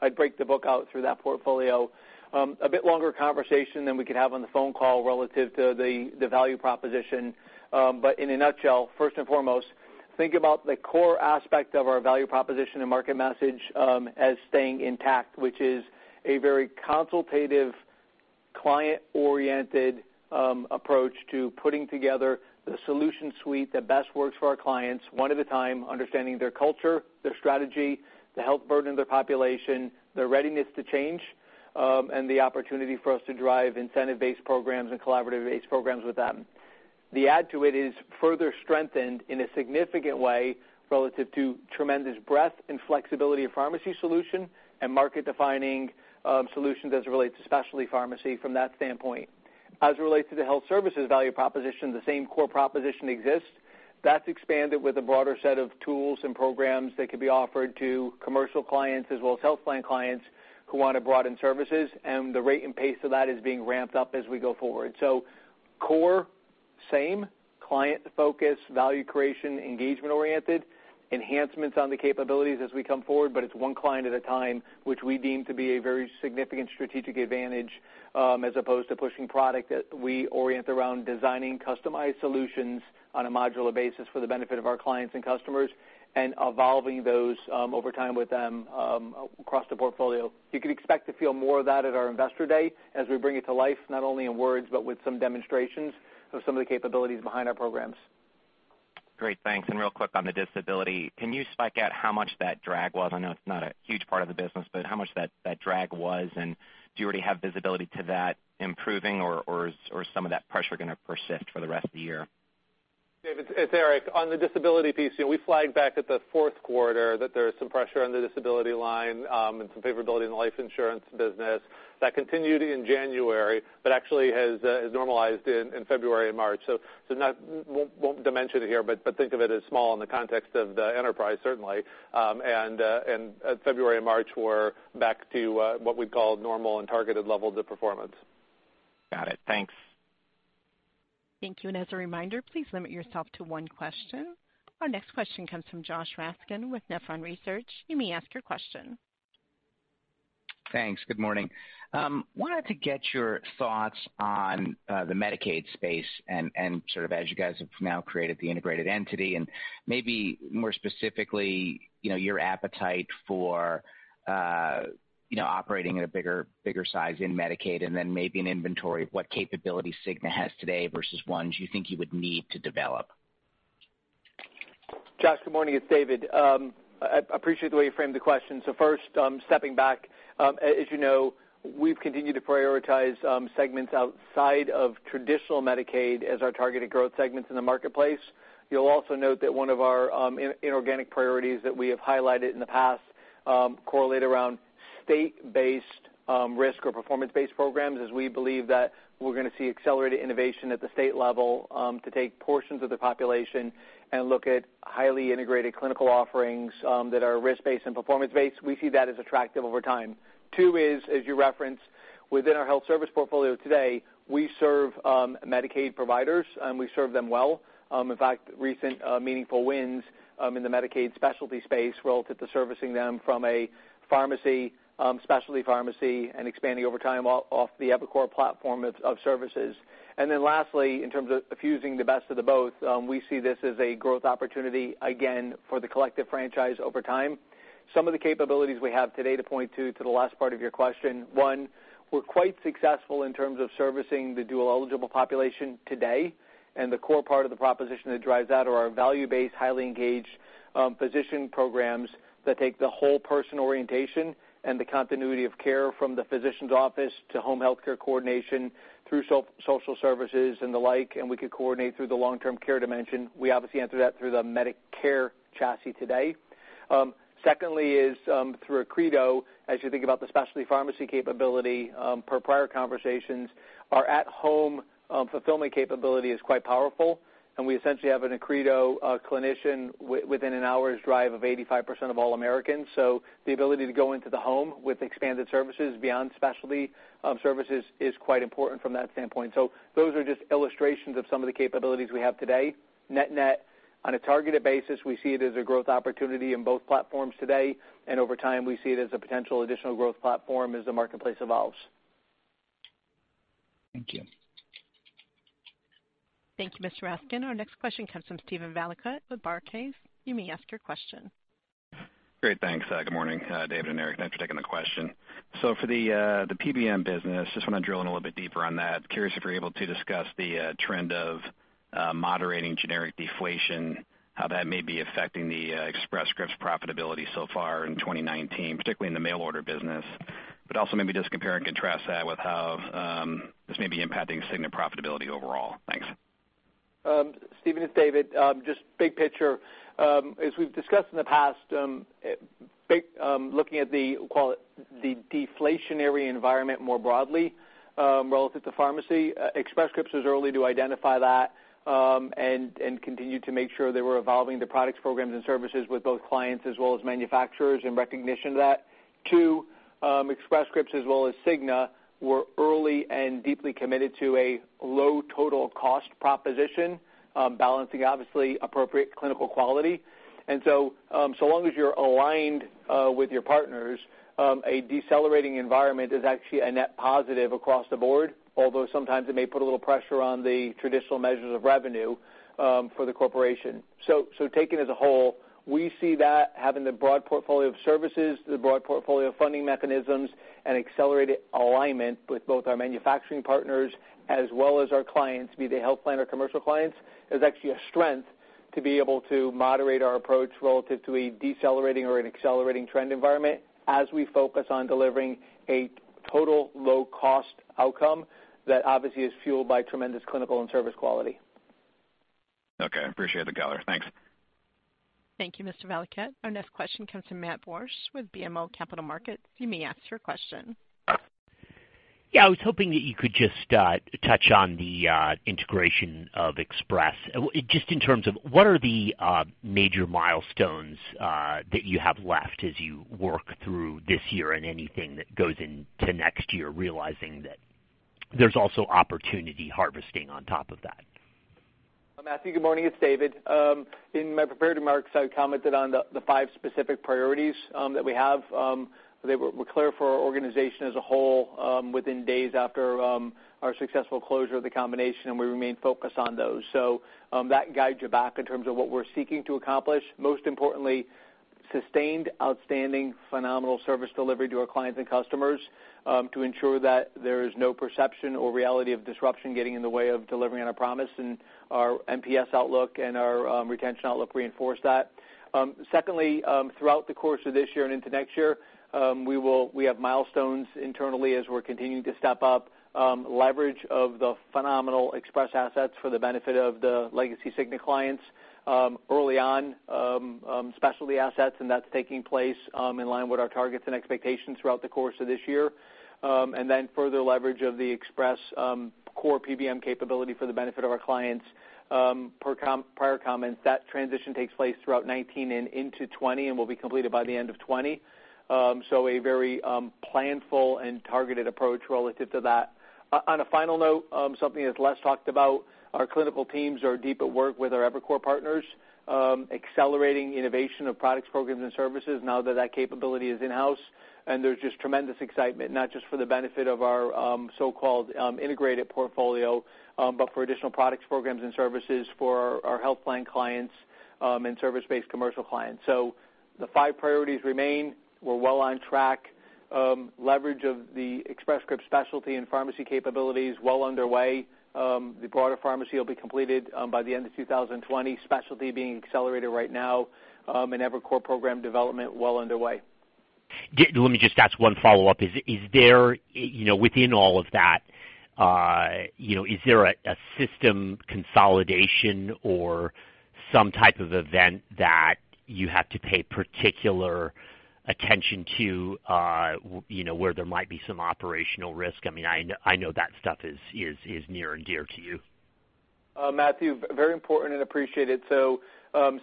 I'd break the book out through that portfolio. A bit longer conversation than we could have on the phone call relative to the value proposition. In a nutshell, first and foremost, think about the core aspect of our value proposition and market message as staying intact, which is a very consultative, client-oriented approach to putting together the solution suite that best works for our clients, one at a time, understanding their culture, their strategy, the health burden of their population, their readiness to change, and the opportunity for us to drive incentive-based programs and collaborative-based programs with them. The add to it is further strengthened in a significant way relative to tremendous breadth and flexibility of pharmacy solution and market-defining solutions as it relates to specialty pharmacy from that standpoint. As it relates to the health services value proposition, the same core proposition exists. That's expanded with a broader set of tools and programs that could be offered to commercial clients as well as health plan clients who want to broaden services, the rate and pace of that is being ramped up as we go forward. Core same client focus, value creation, engagement oriented, enhancements on the capabilities as we come forward, but it's one client at a time, which we deem to be a very significant strategic advantage, as opposed to pushing product. We orient around designing customized solutions on a modular basis for the benefit of our clients and customers, and evolving those over time with them across the portfolio. You can expect to feel more of that at our Investor Day as we bring it to life, not only in words, but with some demonstrations of some of the capabilities behind our programs. Great. Thanks. Real quick on the disability, can you spike out how much that drag was? I know it's not a huge part of the business, but how much that drag was, and do you already have visibility to that improving or is some of that pressure going to persist for the rest of the year? David, it's Eric. On the disability piece, we flagged back at the fourth quarter that there was some pressure on the disability line, and some favorability in the life insurance business. That continued in January, but actually has normalized in February and March. Won't dimension it here, but think of it as small in the context of the enterprise, certainly. February and March were back to what we'd call normal and targeted levels of performance. Got it. Thanks. Thank you. As a reminder, please limit yourself to one question. Our next question comes from Josh Raskin with Nephron Research. You may ask your question. Thanks. Good morning. Wanted to get your thoughts on the Medicaid space and as you guys have now created the integrated entity, and maybe more specifically, your appetite for operating at a bigger size in Medicaid, and then maybe an inventory of what capabilities Cigna has today versus ones you think you would need to develop. Josh, good morning. It's David. I appreciate the way you framed the question. First, stepping back, as you know, we've continued to prioritize segments outside of traditional Medicaid as our targeted growth segments in the marketplace. You'll also note that one of our inorganic priorities that we have highlighted in the past correlate around state-based risk or performance-based programs, as we believe that we're going to see accelerated innovation at the state level to take portions of the population and look at highly integrated clinical offerings that are risk-based and performance-based. We see that as attractive over time. Two is, as you referenced, within our health service portfolio today, we serve Medicaid providers, and we serve them well. In fact, recent meaningful wins in the Medicaid specialty space relative to servicing them from a pharmacy, specialty pharmacy, and expanding over time off the eviCore platform of services. Lastly, in terms of fusing the best of the both, we see this as a growth opportunity, again, for the collective franchise over time. Some of the capabilities we have today to point to the last part of your question. One, we're quite successful in terms of servicing the dual-eligible population today, and the core part of the proposition that drives that are our value-based, highly engaged physician programs that take the whole person orientation and the continuity of care from the physician's office to home healthcare coordination through social services and the like, and we could coordinate through the long-term care dimension. We obviously enter that through the Medicare chassis today. Secondly is through Accredo, as you think about the specialty pharmacy capability per prior conversations, our at-home fulfillment capability is quite powerful, and we essentially have an Accredo clinician within an hour's drive of 85% of all Americans. The ability to go into the home with expanded services beyond specialty services is quite important from that standpoint. Those are just illustrations of some of the capabilities we have today. Net net, on a targeted basis, we see it as a growth opportunity in both platforms today, and over time, we see it as a potential additional growth platform as the marketplace evolves. Thank you. Thank you, Mr. Raskin. Our next question comes from Steven Valiquette with Barclays. You may ask your question. Great, thanks. Good morning, David and Eric. Thanks for taking the question. For the PBM business, just want to drill in a little bit deeper on that. Curious if you're able to discuss the trend of moderating generic deflation, how that may be affecting the Express Scripts profitability so far in 2019, particularly in the mail order business. Also maybe just compare and contrast that with how this may be impacting Cigna profitability overall. Thanks. Steven, it's David. Just big picture. As we've discussed in the past, looking at the deflationary environment more broadly, relative to pharmacy, Express Scripts was early to identify that, and continued to make sure they were evolving the products, programs, and services with both clients as well as manufacturers in recognition of that. 2, Express Scripts as well as Cigna were early and deeply committed to a low total cost proposition, balancing obviously appropriate clinical quality. So long as you're aligned with your partners, a decelerating environment is actually a net positive across the board, although sometimes it may put a little pressure on the traditional measures of revenue for the corporation. Taken as a whole, we see that having the broad portfolio of services, the broad portfolio of funding mechanisms, and accelerated alignment with both our manufacturing partners as well as our clients, be they health plan or commercial clients, is actually a strength to be able to moderate our approach relative to a decelerating or an accelerating trend environment as we focus on delivering a total low-cost outcome that obviously is fueled by tremendous clinical and service quality. Okay. Appreciate the color. Thanks. Thank you, Mr. Valiquette. Our next question comes from Matt Borsch with BMO Capital Markets. You may ask your question. Yeah, I was hoping that you could just touch on the integration of Express, just in terms of what are the major milestones that you have left as you work through this year and anything that goes into next year, realizing that there's also opportunity harvesting on top of that? Matt, good morning. It's David. In my prepared remarks, I commented on the five specific priorities that we have. They were clear for our organization as a whole, within days after our successful closure of the combination, and we remain focused on those. That guides you back in terms of what we're seeking to accomplish, most importantly, sustained outstanding phenomenal service delivery to our clients and customers, to ensure that there is no perception or reality of disruption getting in the way of delivering on our promise, and our NPS outlook and our retention outlook reinforce that. Secondly, throughout the course of this year and into next year, we have milestones internally as we're continuing to step up leverage of the phenomenal Express assets for the benefit of the legacy Cigna clients early on, specialty assets, that's taking place in line with our targets and expectations throughout the course of this year. Further leverage of the Express core PBM capability for the benefit of our clients. Per prior comments, that transition takes place throughout 2019 and into 2020, and will be completed by the end of 2020. A very planful and targeted approach relative to that. On a final note, something that's less talked about, our clinical teams are deep at work with our eviCore partners, accelerating innovation of products, programs, and services now that that capability is in-house. There's just tremendous excitement, not just for the benefit of our so-called integrated portfolio, but for additional products, programs, and services for our health plan clients, and service-based commercial clients. The five priorities remain. We're well on track. Leverage of the Express Scripts specialty and pharmacy capability is well underway. The broader pharmacy will be completed by the end of 2020, specialty being accelerated right now, and eviCore program development well underway. Let me just ask one follow-up. Within all of that, is there a system consolidation or some type of event that you have to pay particular attention to, where there might be some operational risk? I know that stuff is near and dear to you. Matt, very important and appreciated.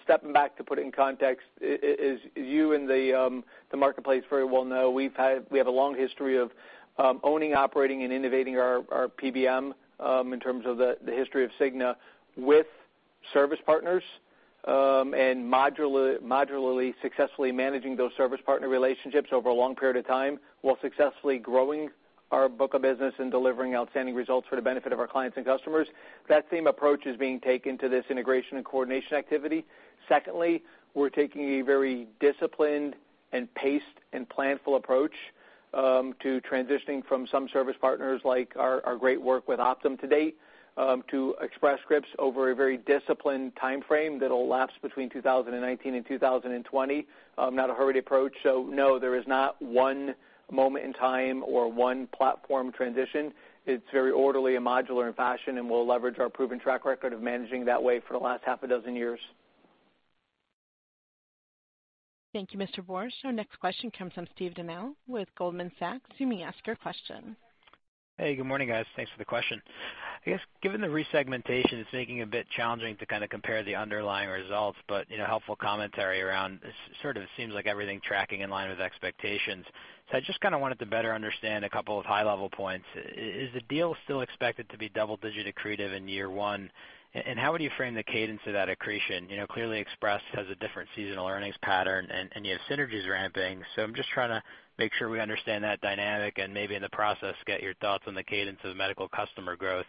Stepping back to put it in context, as you and the marketplace very well know, we have a long history of owning, operating, and innovating our PBM, in terms of the history of Cigna with service partners, and modularly successfully managing those service partner relationships over a long period of time while successfully growing our book of business and delivering outstanding results for the benefit of our clients and customers. That same approach is being taken to this integration and coordination activity. Secondly, we're taking a very disciplined and paced and planful approach to transitioning from some service partners, like our great work with Optum to date, to Express Scripts over a very disciplined timeframe that'll lapse between 2019 and 2020. Not a hurried approach. No, there is not one moment in time or one platform transition. It's very orderly and modular in fashion, and we'll leverage our proven track record of managing that way for the last half a dozen years. Thank you, Mr. Borsch. Our next question comes from Stephen Tanal with Goldman Sachs. You may ask your question. Hey, good morning, guys. Thanks for the question. I guess given the resegmentation, it's making it a bit challenging to compare the underlying results, but helpful commentary around, it sort of seems like everything tracking in line with expectations. I just wanted to better understand a couple of high-level points. Is the deal still expected to be double-digit accretive in year one, and how would you frame the cadence of that accretion? Clearly Express has a different seasonal earnings pattern, and you have synergies ramping. I'm just trying to make sure we understand that dynamic, and maybe in the process, get your thoughts on the cadence of medical customer growth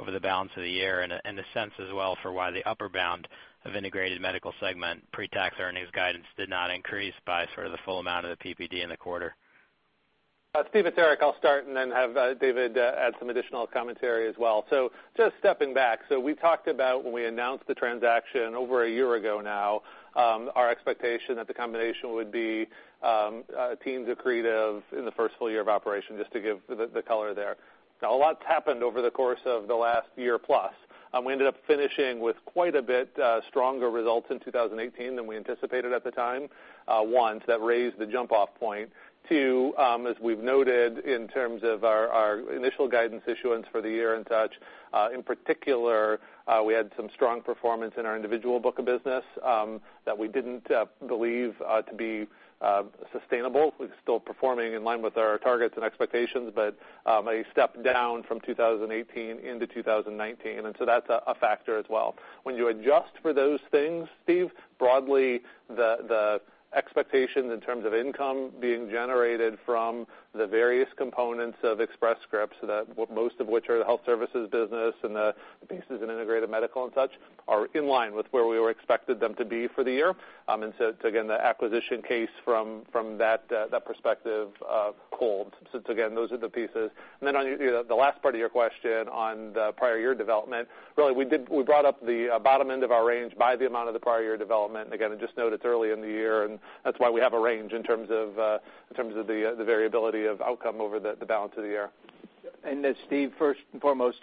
over the balance of the year, and the sense as well for why the upper bound of integrated medical segment pre-tax earnings guidance did not increase by sort of the full amount of the PPD in the quarter. Steve, it's Eric. I'll start and then have David add some additional commentary as well. Just stepping back. We talked about when we announced the transaction over a year ago now, our expectation that the combination would be teen accretive in the first full year of operation, just to give the color there. A lot's happened over the course of the last year plus. We ended up finishing with quite a bit stronger results in 2018 than we anticipated at the time. One, that raised the jump-off point. Two, as we've noted in terms of our initial guidance issuance for the year and such, in particular, we had some strong performance in our individual book of business, that we didn't believe to be sustainable. It's still performing in line with our targets and expectations, but a step down from 2018 into 2019, that's a factor as well. When you adjust for those things, Steve, broadly, the expectations in terms of income being generated from the various components of Express Scripts, most of which are the health services business and the pieces in integrated medical and such, are in line with where we expected them to be for the year. Again, the acquisition case from that perspective holds. Again, those are the pieces. On the last part of your question on the prior year development, really, we brought up the bottom end of our range by the amount of the prior year development. Just note it's early in the year, and that's why we have a range in terms of the variability of outcome over the balance of the year. Steve, first and foremost,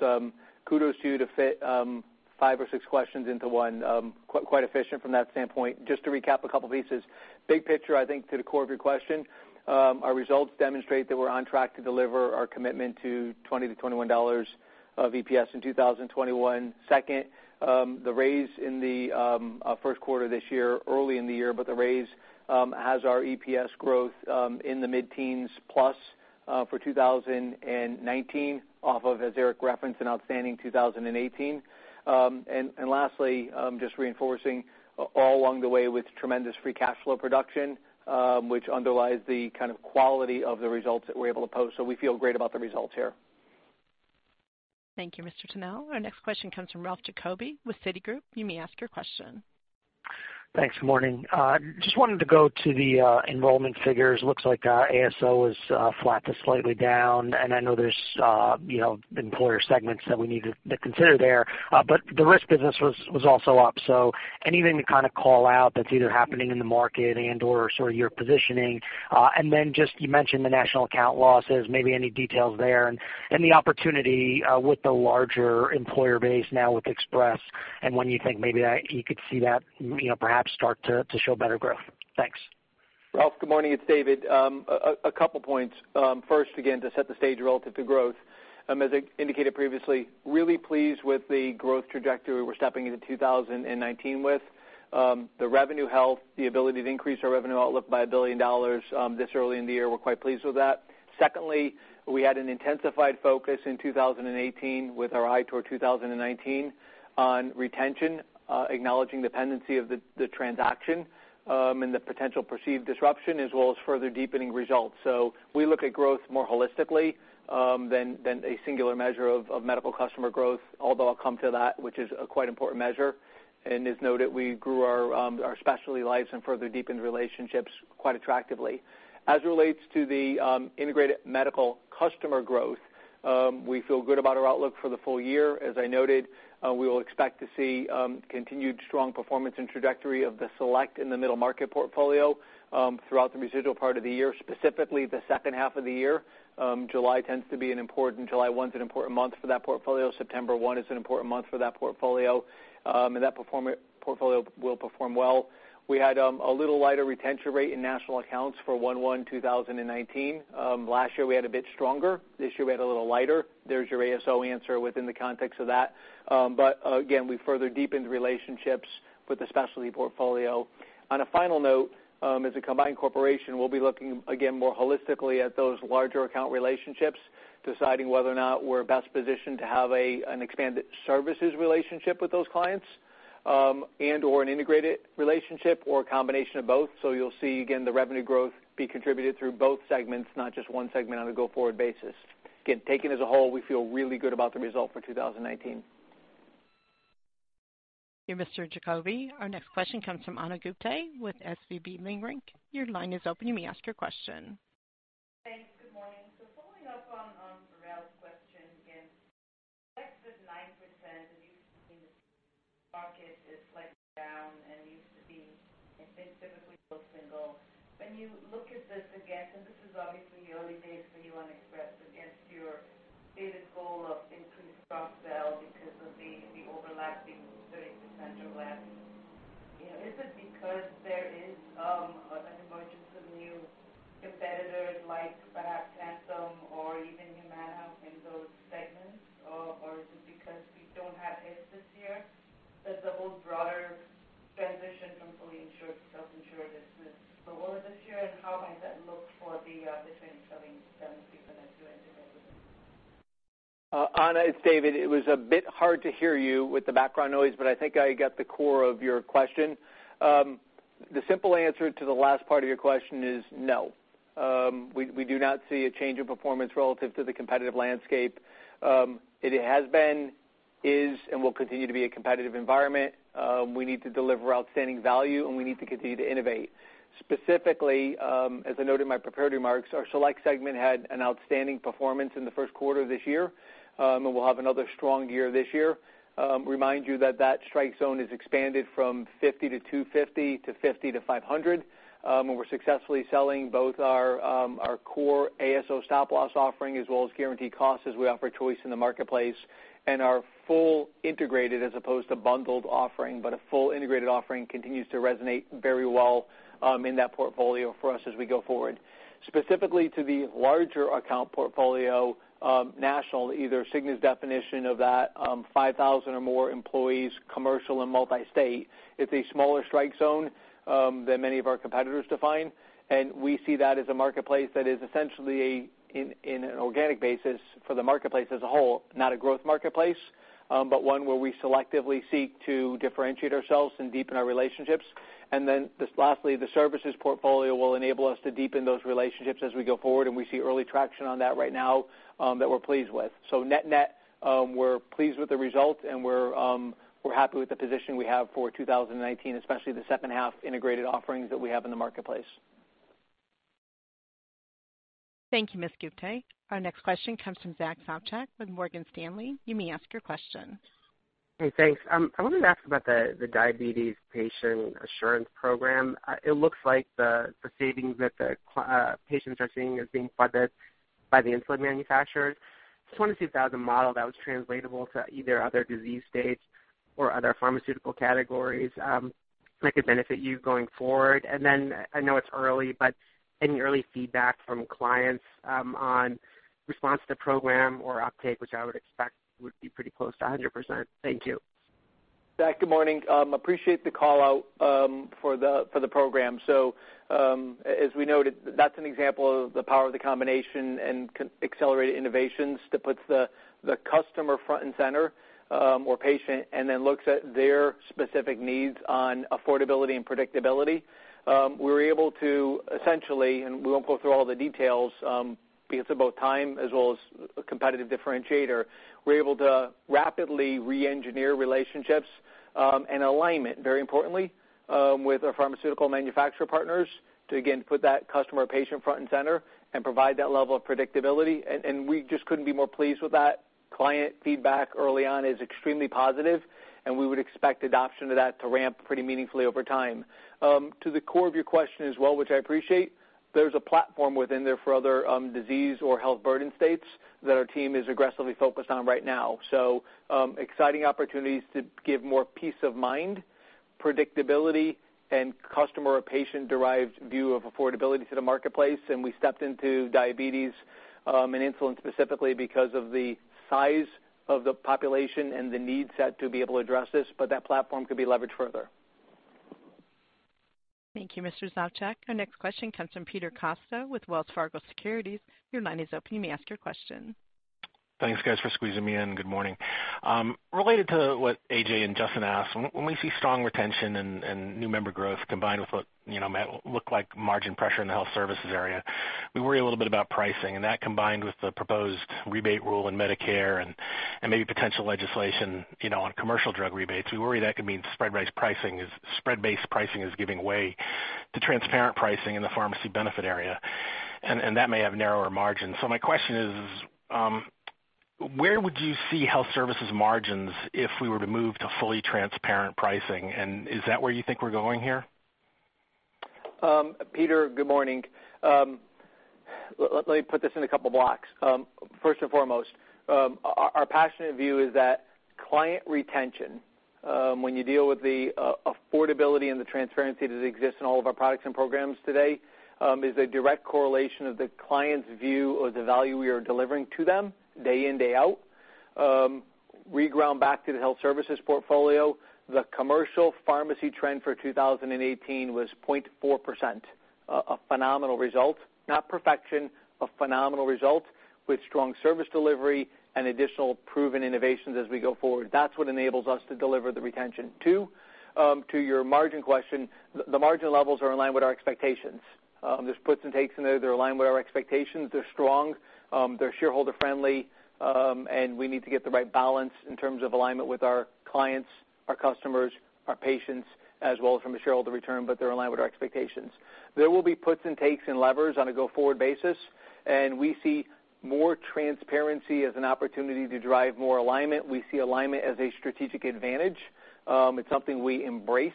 kudos to you to fit five or six questions into one. Quite efficient from that standpoint. Just to recap a couple pieces. Big picture, I think to the core of your question, our results demonstrate that we're on track to deliver our commitment to $20 to $21 of EPS in 2021. Second, the raise in the first quarter this year, early in the year, but the raise has our EPS growth in the mid-teens plus for 2019 off of, as Eric referenced, an outstanding 2018. Lastly, just reinforcing all along the way with tremendous free cash flow production, which underlies the kind of quality of the results that we're able to post. We feel great about the results here. Thank you, Mr. Tanal. Our next question comes from Ralph Giacobbe with Citigroup. You may ask your question. Thanks. Good morning. Just wanted to go to the enrollment figures. Looks like ASO is flat to slightly down, and I know there's employer segments that we need to consider there. The risk business was also up, anything to kind of call out that's either happening in the market and/or sort of your positioning. Just, you mentioned the national account losses, maybe any details there, and the opportunity with the larger employer base now with Express, and when you think maybe you could see that perhaps start to show better growth. Thanks. Ralph, good morning. It's David. A couple points. First, again, to set the stage relative to growth, as I indicated previously, really pleased with the growth trajectory we're stepping into 2019 with. The revenue health, the ability to increase our revenue outlook by $1 billion this early in the year, we're quite pleased with that. Secondly, we had an intensified focus in 2018 with our eye toward 2019 on retention, acknowledging the pendency of the transaction, and the potential perceived disruption as well as further deepening results. We look at growth more holistically than a singular measure of medical customer growth, although I'll come to that, which is a quite important measure, and is noted we grew our specialty lives and further deepened relationships quite attractively. As it relates to the integrated medical customer growth, we feel good about our outlook for the full year. As I noted, we will expect to see continued strong performance and trajectory of the Select and the middle market portfolio throughout the residual part of the year, specifically the second half of the year. July 1 is an important month for that portfolio. September 1 is an important month for that portfolio. That portfolio will perform well. We had a little lighter retention rate in national accounts for 1/1/2019. Last year we had a bit stronger. This year we had a little lighter. There's your ASO answer within the context of that. Again, we further deepened relationships with the specialty portfolio. On a final note, as a combined corporation, we'll be looking again more holistically at those larger account relationships, deciding whether or not we're best positioned to have an expanded services relationship with those clients, and/or an integrated relationship or a combination of both. You'll see, again, the revenue growth be contributed through both segments, not just one segment on a go-forward basis. Again, taken as a whole, we feel really good about the result for 2019. Thank you, Mr. Giacobbe. Our next question comes from Ana Gupte with SVB Leerink. Your line is open. You may ask your question. Thanks. Good morning. Following up on Ralph's question, again, Select is 9%, and usually the market is slightly down and used to be, I think, typically low single. When you look at this again, and this is obviously the early days for you on Express against your stated goal of increased strong sales because of the overlapping 30% overlap. Is it because there is an emergence of new competitors like perhaps Anthem or even Humana in those segments? Or is it because we don't have heads this year? Does the whole broader transition from fully insured to self-insured is slower this year? How might that look for the 2020? Anu, it's David. It was a bit hard to hear you with the background noise, but I think I got the core of your question. The simple answer to the last part of your question is no. We do not see a change in performance relative to the competitive landscape. It has been, is, and will continue to be a competitive environment. We need to deliver outstanding value. We need to continue to innovate. Specifically, as I noted in my prepared remarks, our Select segment had an outstanding performance in the first quarter of this year, and we'll have another strong year this year. Remind you that that strike zone is expanded from 50-250 to 50-500. We're successfully selling both our core ASO Stop Loss offering as well as guaranteed cost as we offer choice in the marketplace. Our full integrated as opposed to bundled offering, but a full integrated offering continues to resonate very well in that portfolio for us as we go forward. Specifically to the larger account portfolio, national, either Cigna's definition of that 5,000 or more employees, commercial and multi-state, it's a smaller strike zone than many of our competitors define. We see that as a marketplace that is essentially in an organic basis for the marketplace as a whole, not a growth marketplace, but one where we selectively seek to differentiate ourselves and deepen our relationships. Lastly, the services portfolio will enable us to deepen those relationships as we go forward. We see early traction on that right now that we're pleased with. Net-net, we're pleased with the result and we're happy with the position we have for 2019, especially the second half integrated offerings that we have in the marketplace. Thank you, Ms. Gupte. Our next question comes from Zack Sopcak with Morgan Stanley. You may ask your question. Hey, thanks. I wanted to ask about the diabetes Patient Assurance Program. It looks like the savings that the patients are seeing is being funded by the insulin manufacturers. Just wanted to see if that was a model that was translatable to either other disease states or other pharmaceutical categories that could benefit you going forward. I know it's early, but any early feedback from clients on response to the program or uptake, which I would expect would be pretty close to 100%? Thank you. Zack, good morning. Appreciate the call-out for the program. As we noted, that's an example of the power of the combination and accelerated innovations that puts the customer front and center, or patient, looks at their specific needs on affordability and predictability. We were able to essentially, we won't go through all the details, because of both time as well as a competitive differentiator, we're able to rapidly re-engineer relationships and alignment, very importantly, with our pharmaceutical manufacturer partners to, again, put that customer or patient front and center and provide that level of predictability. We just couldn't be more pleased with that. Client feedback early on is extremely positive, we would expect adoption of that to ramp pretty meaningfully over time. To the core of your question as well, which I appreciate, there's a platform within there for other disease or health burden states that our team is aggressively focused on right now. Exciting opportunities to give more peace of mind, predictability, and customer or patient-derived view of affordability to the marketplace. We stepped into diabetes and insulin specifically because of the size of the population and the need set to be able to address this, but that platform could be leveraged further. Thank you, Mr. Sopcak. Our next question comes from Peter Costa with Wells Fargo Securities. Your line is open. You may ask your question. Thanks, guys, for squeezing me in. Good morning. Related to what A.J. and Justin asked, when we see strong retention and new member growth combined with what might look like margin pressure in the health services area, we worry a little bit about pricing. That combined with the proposed rebate rule in Medicare and maybe potential legislation on commercial drug rebates, we worry that could mean spread-based pricing is giving way to transparent pricing in the pharmacy benefit area, and that may have narrower margins. My question is, where would you see health services margins if we were to move to fully transparent pricing? Is that where you think we're going here? Peter, good morning. Let me put this in a couple blocks. First and foremost, our passionate view is that client retention, when you deal with the affordability and the transparency that exists in all of our products and programs today, is a direct correlation of the client's view of the value we are delivering to them day in, day out. We ground back to the health services portfolio. The commercial pharmacy trend for 2018 was 0.4%, a phenomenal result, not perfection, a phenomenal result with strong service delivery and additional proven innovations as we go forward. That's what enables us to deliver the retention. Two, to your margin question, the margin levels are in line with our expectations. There's puts and takes in there. They're aligned with our expectations. They're strong, they're shareholder friendly, we need to get the right balance in terms of alignment with our clients, our customers, our patients, as well as from a shareholder return, they're in line with our expectations. There will be puts and takes and levers on a go-forward basis, we see more transparency as an opportunity to drive more alignment. We see alignment as a strategic advantage. It's something we embrace,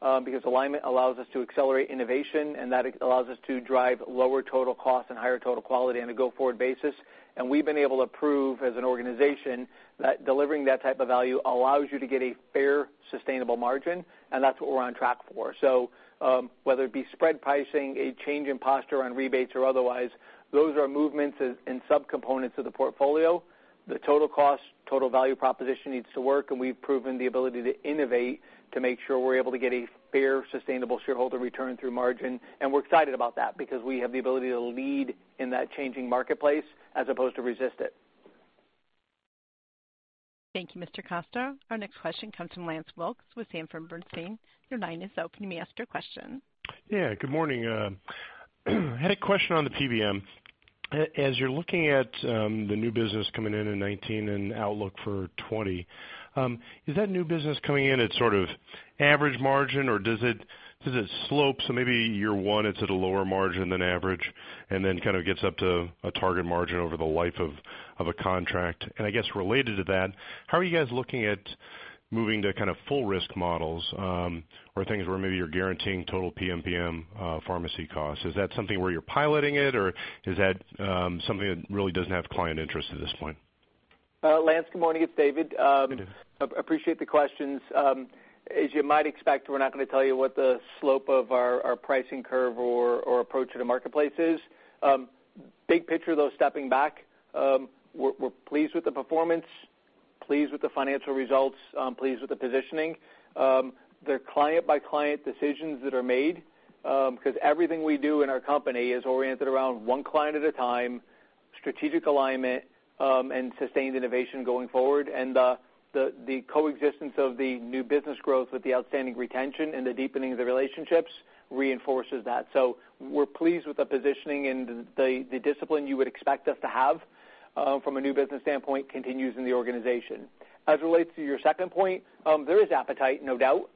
because alignment allows us to accelerate innovation, that allows us to drive lower total cost and higher total quality on a go-forward basis. We've been able to prove as an organization that delivering that type of value allows you to get a fair, sustainable margin, that's what we're on track for. Whether it be spread pricing, a change in posture on rebates or otherwise, those are movements in subcomponents of the portfolio. The total cost, total value proposition needs to work, we've proven the ability to innovate to make sure we're able to get a fair, sustainable shareholder return through margin. We're excited about that because we have the ability to lead in that changing marketplace as opposed to resist it. Thank you, Mr. Costa. Our next question comes from Lance Wilkes with Sanford Bernstein. Your line is open. You may ask your question. Yeah, good morning. I had a question on the PBM. As you're looking at the new business coming in in 2019 and outlook for 2020, is that new business coming in at sort of average margin, or does it slope, so maybe year one it's at a lower margin than average, and then kind of gets up to a target margin over the life of a contract? I guess related to that, how are you guys looking at moving to kind of full risk models, or things where maybe you're guaranteeing total PMPM pharmacy costs? Is that something where you're piloting it, or is that something that really doesn't have client interest at this point? Lance, good morning. It's David. Hey, David. Appreciate the questions. As you might expect, we're not going to tell you what the slope of our pricing curve or approach to the marketplace is. Big picture, though, stepping back, we're pleased with the performance, pleased with the financial results, pleased with the positioning. They're client-by-client decisions that are made, because everything we do in our company is oriented around one client at a time, strategic alignment, and sustained innovation going forward. The coexistence of the new business growth with the outstanding retention and the deepening of the relationships reinforces that. We're pleased with the positioning, and the discipline you would expect us to have from a new business standpoint continues in the organization. As it relates to your second point, there is appetite, no doubt,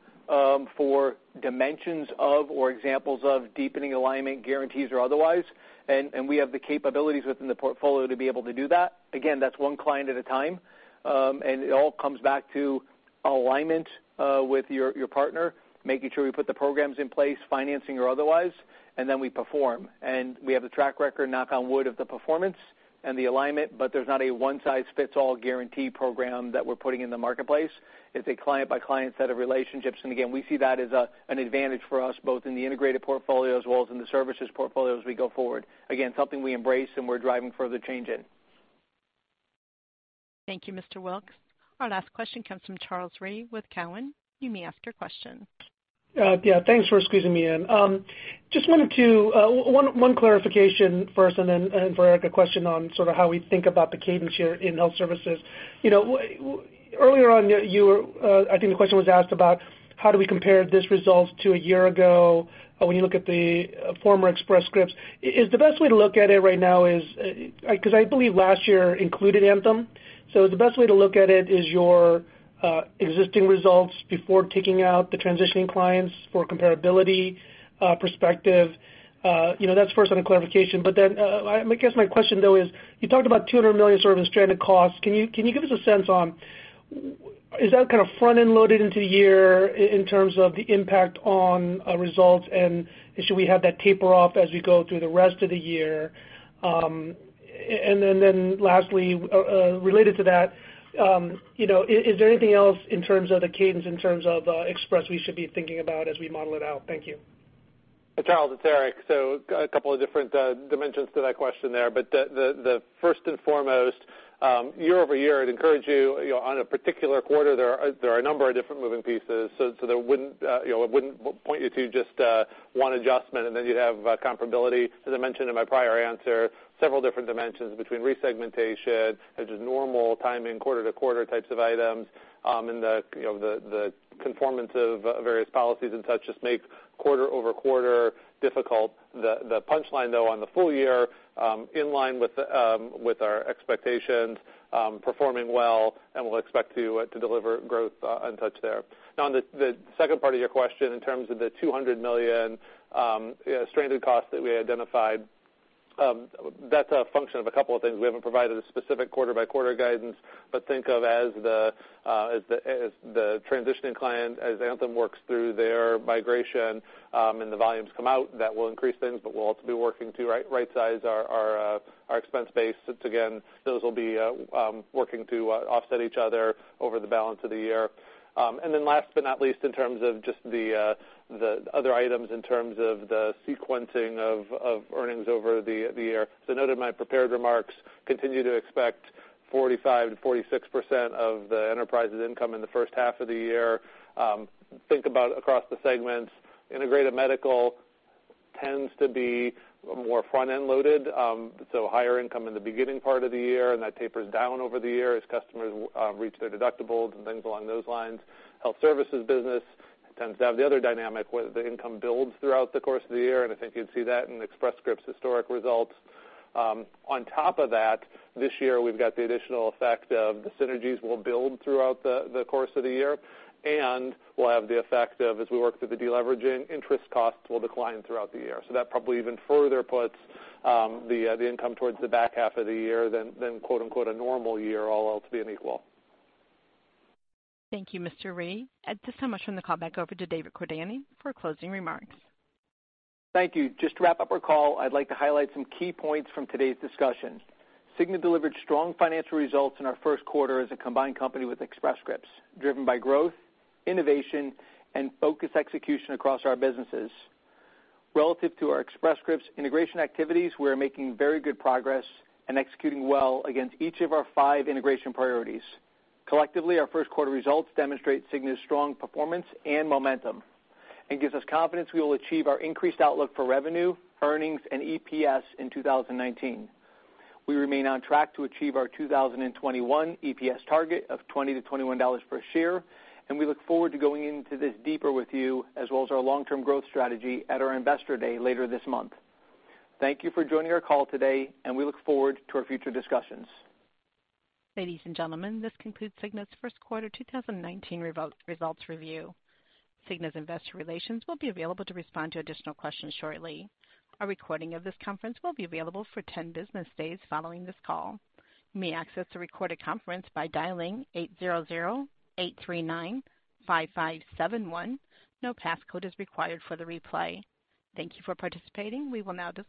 for dimensions of or examples of deepening alignment guarantees or otherwise, and we have the capabilities within the portfolio to be able to do that. Again, that's one client at a time. It all comes back to alignment with your partner, making sure we put the programs in place, financing or otherwise, and then we perform. We have the track record, knock on wood, of the performance and the alignment, but there's not a one-size-fits-all guarantee program that we're putting in the marketplace. It's a client-by-client set of relationships, and again, we see that as an advantage for us both in the integrated portfolio as well as in the services portfolio as we go forward. Again, something we embrace and we're driving further change in. Thank you, Mr. Wilkes. Our last question comes from Charles Rhyee with Cowen. You may ask your question. Yeah, thanks for squeezing me in. One clarification first, and then for Eric, a question on sort of how we think about the cadence here in health services. Earlier on, I think the question was asked about how do we compare these results to a year ago when you look at the former Express Scripts. Is the best way to look at it right now is-- Because I believe last year included Anthem. Is the best way to look at it is your existing results before taking out the transitioning clients for comparability perspective? That's first on a clarification, but then I guess my question though is, you talked about $200 million sort of in stranded costs. Can you give us a sense on is that kind of front-end loaded into the year in terms of the impact on results and should we have that taper off as we go through the rest of the year? Lastly, related to that, is there anything else in terms of the cadence in terms of Express we should be thinking about as we model it out? Thank you. Charles, it's Eric. A couple of different dimensions to that question there. The first and foremost, year-over-year, I'd encourage you, on a particular quarter, there are a number of different moving pieces. I wouldn't point you to just one adjustment and then you'd have comparability. As I mentioned in my prior answer, several different dimensions between re-segmentation and just normal timing quarter-to-quarter types of items, and the conformance of various policies and such just make quarter-over-quarter difficult. The punchline, though, on the full year, in line with our expectations, performing well, and we'll expect to deliver growth and such there. On the second part of your question in terms of the $200 million stranded costs that we identified, that's a function of a couple of things. We haven't provided a specific quarter-by-quarter guidance, but think of as the transitioning client, as Anthem works through their migration, and the volumes come out, that will increase things, but we'll also be working to rightsize our expense base. Again, those will be working to offset each other over the balance of the year. Last but not least, in terms of just the other items in terms of the sequencing of earnings over the year. As I noted in my prepared remarks, continue to expect 45%-46% of the enterprise's income in the first half of the year. Think about across the segments, integrated medical tends to be more front-end loaded, so higher income in the beginning part of the year, and that tapers down over the year as customers reach their deductibles and things along those lines. Health services business tends to have the other dynamic, where the income builds throughout the course of the year, and I think you'd see that in Express Scripts' historic results. On top of that, this year, we've got the additional effect of the synergies will build throughout the course of the year, and we'll have the effect of, as we work through the deleveraging, interest costs will decline throughout the year. That probably even further puts the income towards the back half of the year than, quote-unquote, "a normal year," all else being equal. Thank you, Mr. Rhyee. At this time, I'll turn the call back over to David Cordani for closing remarks. Thank you. Just to wrap up our call, I'd like to highlight some key points from today's discussion. Cigna delivered strong financial results in our first quarter as a combined company with Express Scripts, driven by growth, innovation, and focused execution across our businesses. Relative to our Express Scripts integration activities, we are making very good progress and executing well against each of our five integration priorities. Collectively, our first quarter results demonstrate Cigna's strong performance and momentum and gives us confidence we will achieve our increased outlook for revenue, earnings, and EPS in 2019. We remain on track to achieve our 2021 EPS target of $20-$21 per share. We look forward to going into this deeper with you, as well as our long-term growth strategy at our Investor Day later this month. Thank you for joining our call today. We look forward to our future discussions. Ladies and gentlemen, this concludes Cigna's first quarter 2019 results review. Cigna's investor relations will be available to respond to additional questions shortly. A recording of this conference will be available for ten business days following this call. You may access the recorded conference by dialing 800-839-5571. No passcode is required for the replay. Thank you for participating. We will now disconnect.